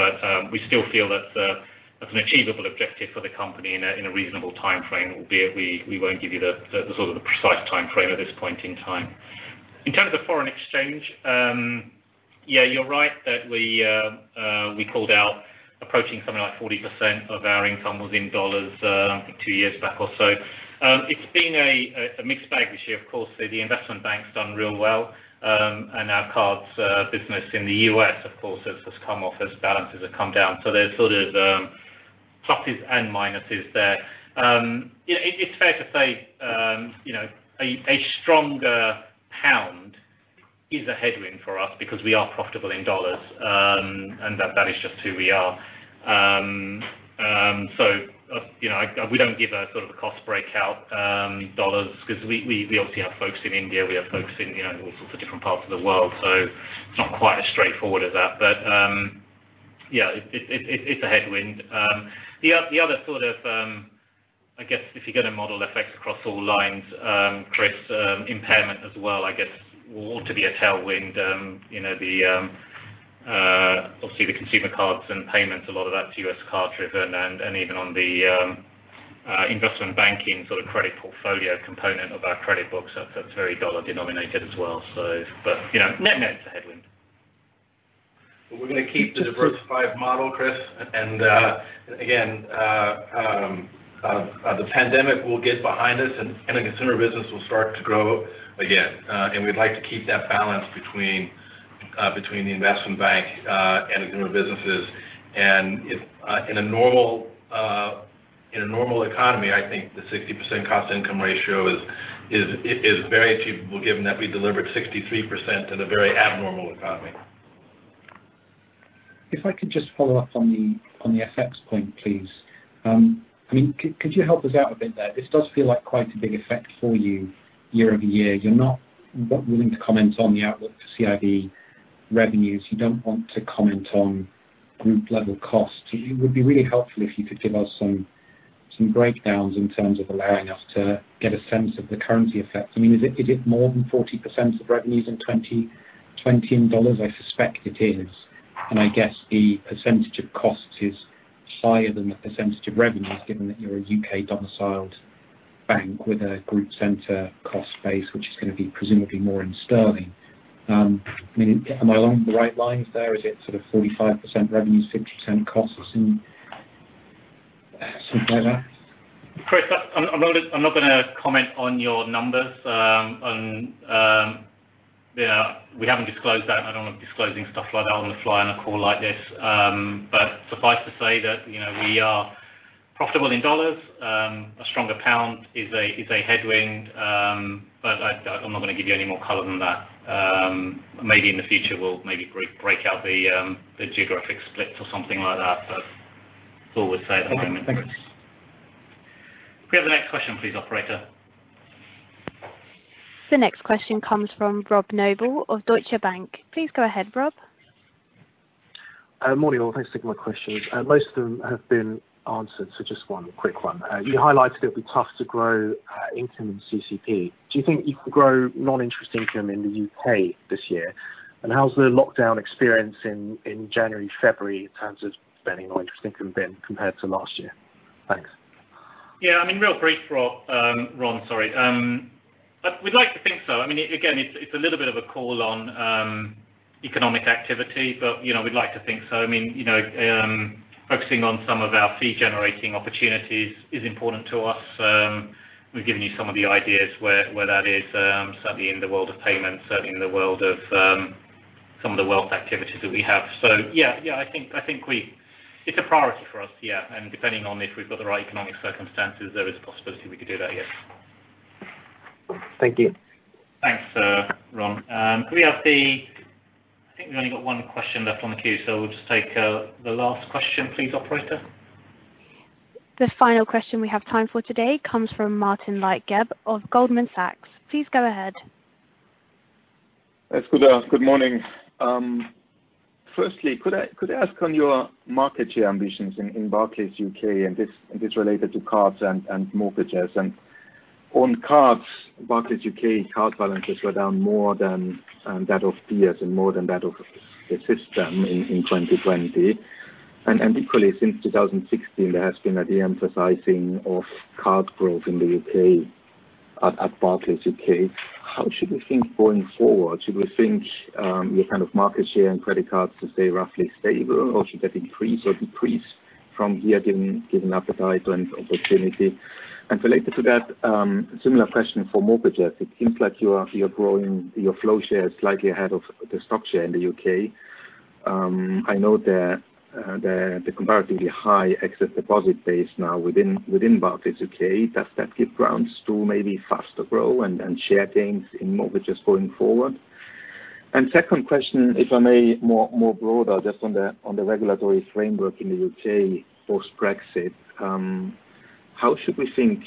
Speaker 3: We still feel that's an achievable objective for the company in a reasonable timeframe, albeit we won't give you the precise timeframe at this point in time. In terms of foreign exchange, yeah, you're right that we called out approaching something like 40% of our income was in dollars, I think two years back or so. It's been a mixed bag this year. Of course, the investment bank's done real well. Our cards business in the U.S., of course, has come off as balances have come down. There's sort of pluses and minuses there. It's fair to say a stronger pound is a headwind for us because we are profitable in dollars, and that is just who we are. We don't give a sort of a cost breakout in dollars because we obviously have folks in India, we have folks in all sorts of different parts of the world, so it's not quite as straightforward as that. Yeah, it's a headwind. The other sort of I guess if you're going to model effects across all lines, Chris, impairment as well, I guess, ought to be a tailwind. Obviously the Consumer, Cards & Payments, a lot of that's U.S. card-driven, and even on the investment banking sort of credit portfolio component of our credit book, that's very dollar denominated as well. Net-net, it's a headwind.
Speaker 2: We're going to keep the diversified model, Chris. Again, the pandemic will get behind us, and the consumer business will start to grow again. We'd like to keep that balance between the investment bank and the consumer businesses. In a normal economy, I think the 60% cost-income ratio is very achievable given that we delivered 63% in a very abnormal economy.
Speaker 14: If I could just follow up on the FX point, please. Could you help us out a bit there? This does feel like quite a big effect for you year-over-year. You're not willing to comment on the outlook for CIB revenues. You don't want to comment on Group level costs. It would be really helpful if you could give us some breakdowns in terms of allowing us to get a sense of the currency effects. Is it more than 40% of revenues in 2020 in dollars? I suspect it is, and I guess the percentage of cost is higher than the percentage of revenues, given that you're a U.K. domiciled bank with a group center cost base, which is going to be presumably more in sterling. Am I along the right lines there? Is it sort of 45% revenues, 60% costs, and something like that?
Speaker 3: Chris, I'm not going to comment on your numbers. We haven't disclosed that. I don't want disclosing stuff like that on the fly on a call like this. Suffice to say that we are profitable in dollars. A stronger pound is a headwind. I'm not going to give you any more color than that. Maybe in the future, we'll maybe break out the geographic splits or something like that. That's all we'll say at the moment, Chris.
Speaker 14: Okay. Thank you.
Speaker 3: Can we have the next question please, operator?
Speaker 1: The next question comes from Rob Noble of Deutsche Bank. Please go ahead, Rob.
Speaker 15: Morning all. Thanks for taking my question. Most of them have been answered, so just one quick one. You highlighted it'll be tough to grow income in CCP. Do you think you can grow non-interest income in the U.K. this year? How's the lockdown experience in January, February in terms of spending or interest income been compared to last year? Thanks.
Speaker 3: Yeah. Real brief, Rob. Ron, sorry. We'd like to think so. Again, it's a little bit of a call on economic activity, but we'd like to think so. Focusing on some of our fee-generating opportunities is important to us. We've given you some of the ideas where that is. Certainly in the world of payments, certainly in the world of some of the wealth activities that we have. Yeah. I think it's a priority for us, yeah. Depending on if we've got the right economic circumstances, there is a possibility we could do that, yes.
Speaker 15: Thank you.
Speaker 3: Thanks, Ron. Could we have, I think we've only got one question left on the queue, so we'll just take the last question please, operator.
Speaker 1: The final question we have time for today comes from Martin Leitgeb of Goldman Sachs. Please go ahead.
Speaker 16: Yes, good morning. Firstly, could I ask on your market share ambitions in Barclays U.K., and it's related to cards and mortgages. On cards, Barclays U.K. card balances were down more than that of peers and more than that of the system in 2020. Equally, since 2016, there has been a de-emphasizing of card growth in the U.K. at Barclays U.K.. How should we think going forward? Should we think your kind of market share and credit cards to stay roughly stable, or should that increase or decrease from here, given appetite and opportunity? Related to that, similar question for mortgages. It seems like you are growing your flow share slightly ahead of the stock share in the U.K. I know the comparatively high excess deposit base now within Barclays U.K. Does that give grounds to maybe faster growth and share gains in mortgages going forward? Second question, if I may, more broader, just on the regulatory framework in the U.K. post-Brexit. How should we think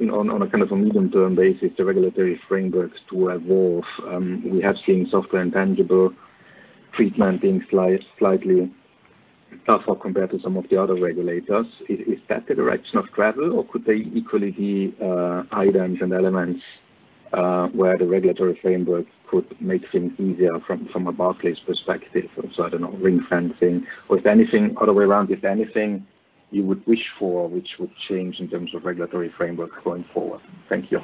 Speaker 16: on a kind of a medium-term basis, the regulatory frameworks to evolve? We have seen software intangible treatment being slightly tougher compared to some of the other regulators. Is that the direction of travel, or could they equally be items and elements where the regulatory framework could make things easier from a Barclays perspective? I don't know, ring-fencing or if anything other way around, is there anything you would wish for which would change in terms of regulatory framework going forward? Thank you.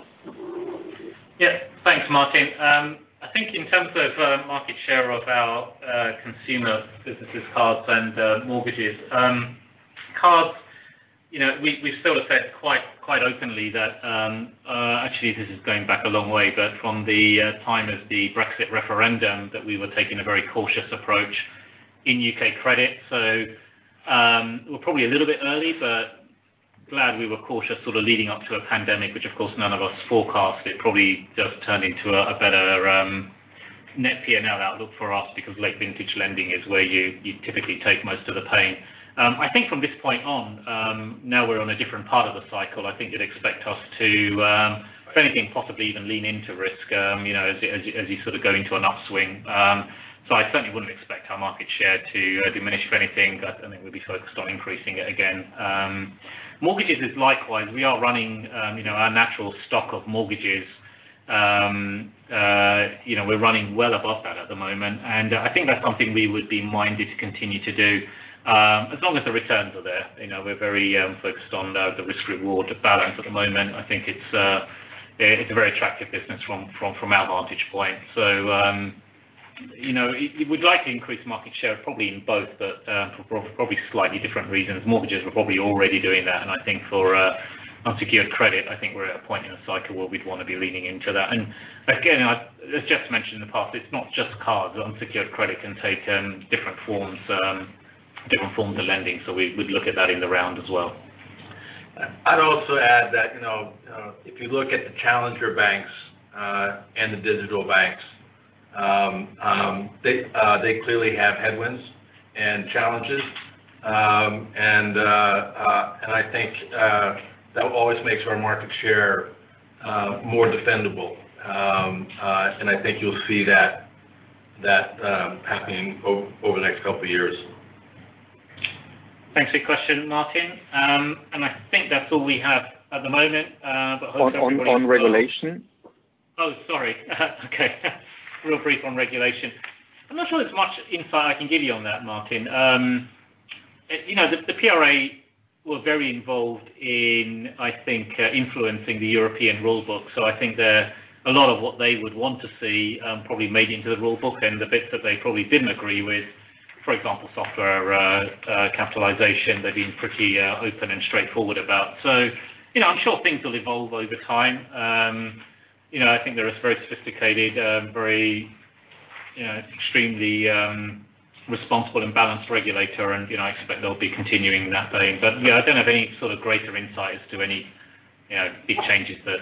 Speaker 3: Thanks, Martin. I think in terms of market share of our consumer businesses, cards and mortgages. Cards, we've still said quite openly that actually this is going back a long way, but from the time of the Brexit referendum, that we were taking a very cautious approach in U.K. credit. We're probably a little bit early, but glad we were cautious sort of leading up to a pandemic, which of course none of us forecast. It probably does turn into a better net P&L outlook for us because late vintage lending is where you typically take most of the pain. I think from this point on, now we're on a different part of the cycle. I think you'd expect us to, if anything, possibly even lean into risk as you sort of go into an upswing. I certainly wouldn't expect our market share to diminish for anything. I think we'll be focused on increasing it again. Mortgages is likewise. We are running our natural stock of mortgages. We're running well above that at the moment, and I think that's something we would be minded to continue to do. As long as the returns are there. We're very focused on the risk-reward balance at the moment. I think it's a very attractive business from our vantage point. We'd like to increase market share probably in both, but for probably slightly different reasons. Mortgages, we're probably already doing that, and I think for unsecured credit, I think we're at a point in the cycle where we'd want to be leaning into that. Again, as Jes mentioned in the past, it's not just cards. Unsecured credit can take different forms of lending, so we'd look at that in the round as well.
Speaker 2: I'd also add that if you look at the challenger banks and the digital banks, they clearly have headwinds and challenges. I think that always makes our market share more defendable. I think you'll see that happening over the next couple of years.
Speaker 3: Thanks for your question, Martin. I think that's all we have at the moment.
Speaker 16: On regulation.
Speaker 3: Oh, sorry. Okay. Real brief on regulation. I'm not sure there's much insight I can give you on that, Martin. The PRA were very involved in, I think, influencing the European rule book. I think there, a lot of what they would want to see probably made into the rule book and the bits that they probably didn't agree with, for example, software capitalization, they've been pretty open and straightforward about. I'm sure things will evolve over time. I think they're a very sophisticated, very extremely responsible and balanced regulator, and I expect they'll be continuing in that vein. Yeah, I don't have any sort of greater insight as to any big changes that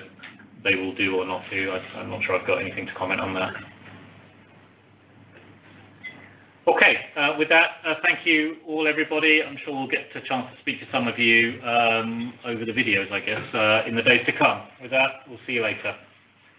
Speaker 3: they will do or not do. I'm not sure I've got anything to comment on that. Okay. With that, thank you all, everybody. I'm sure we'll get a chance to speak to some of you over the videos, I guess, in the days to come. With that, we'll see you later.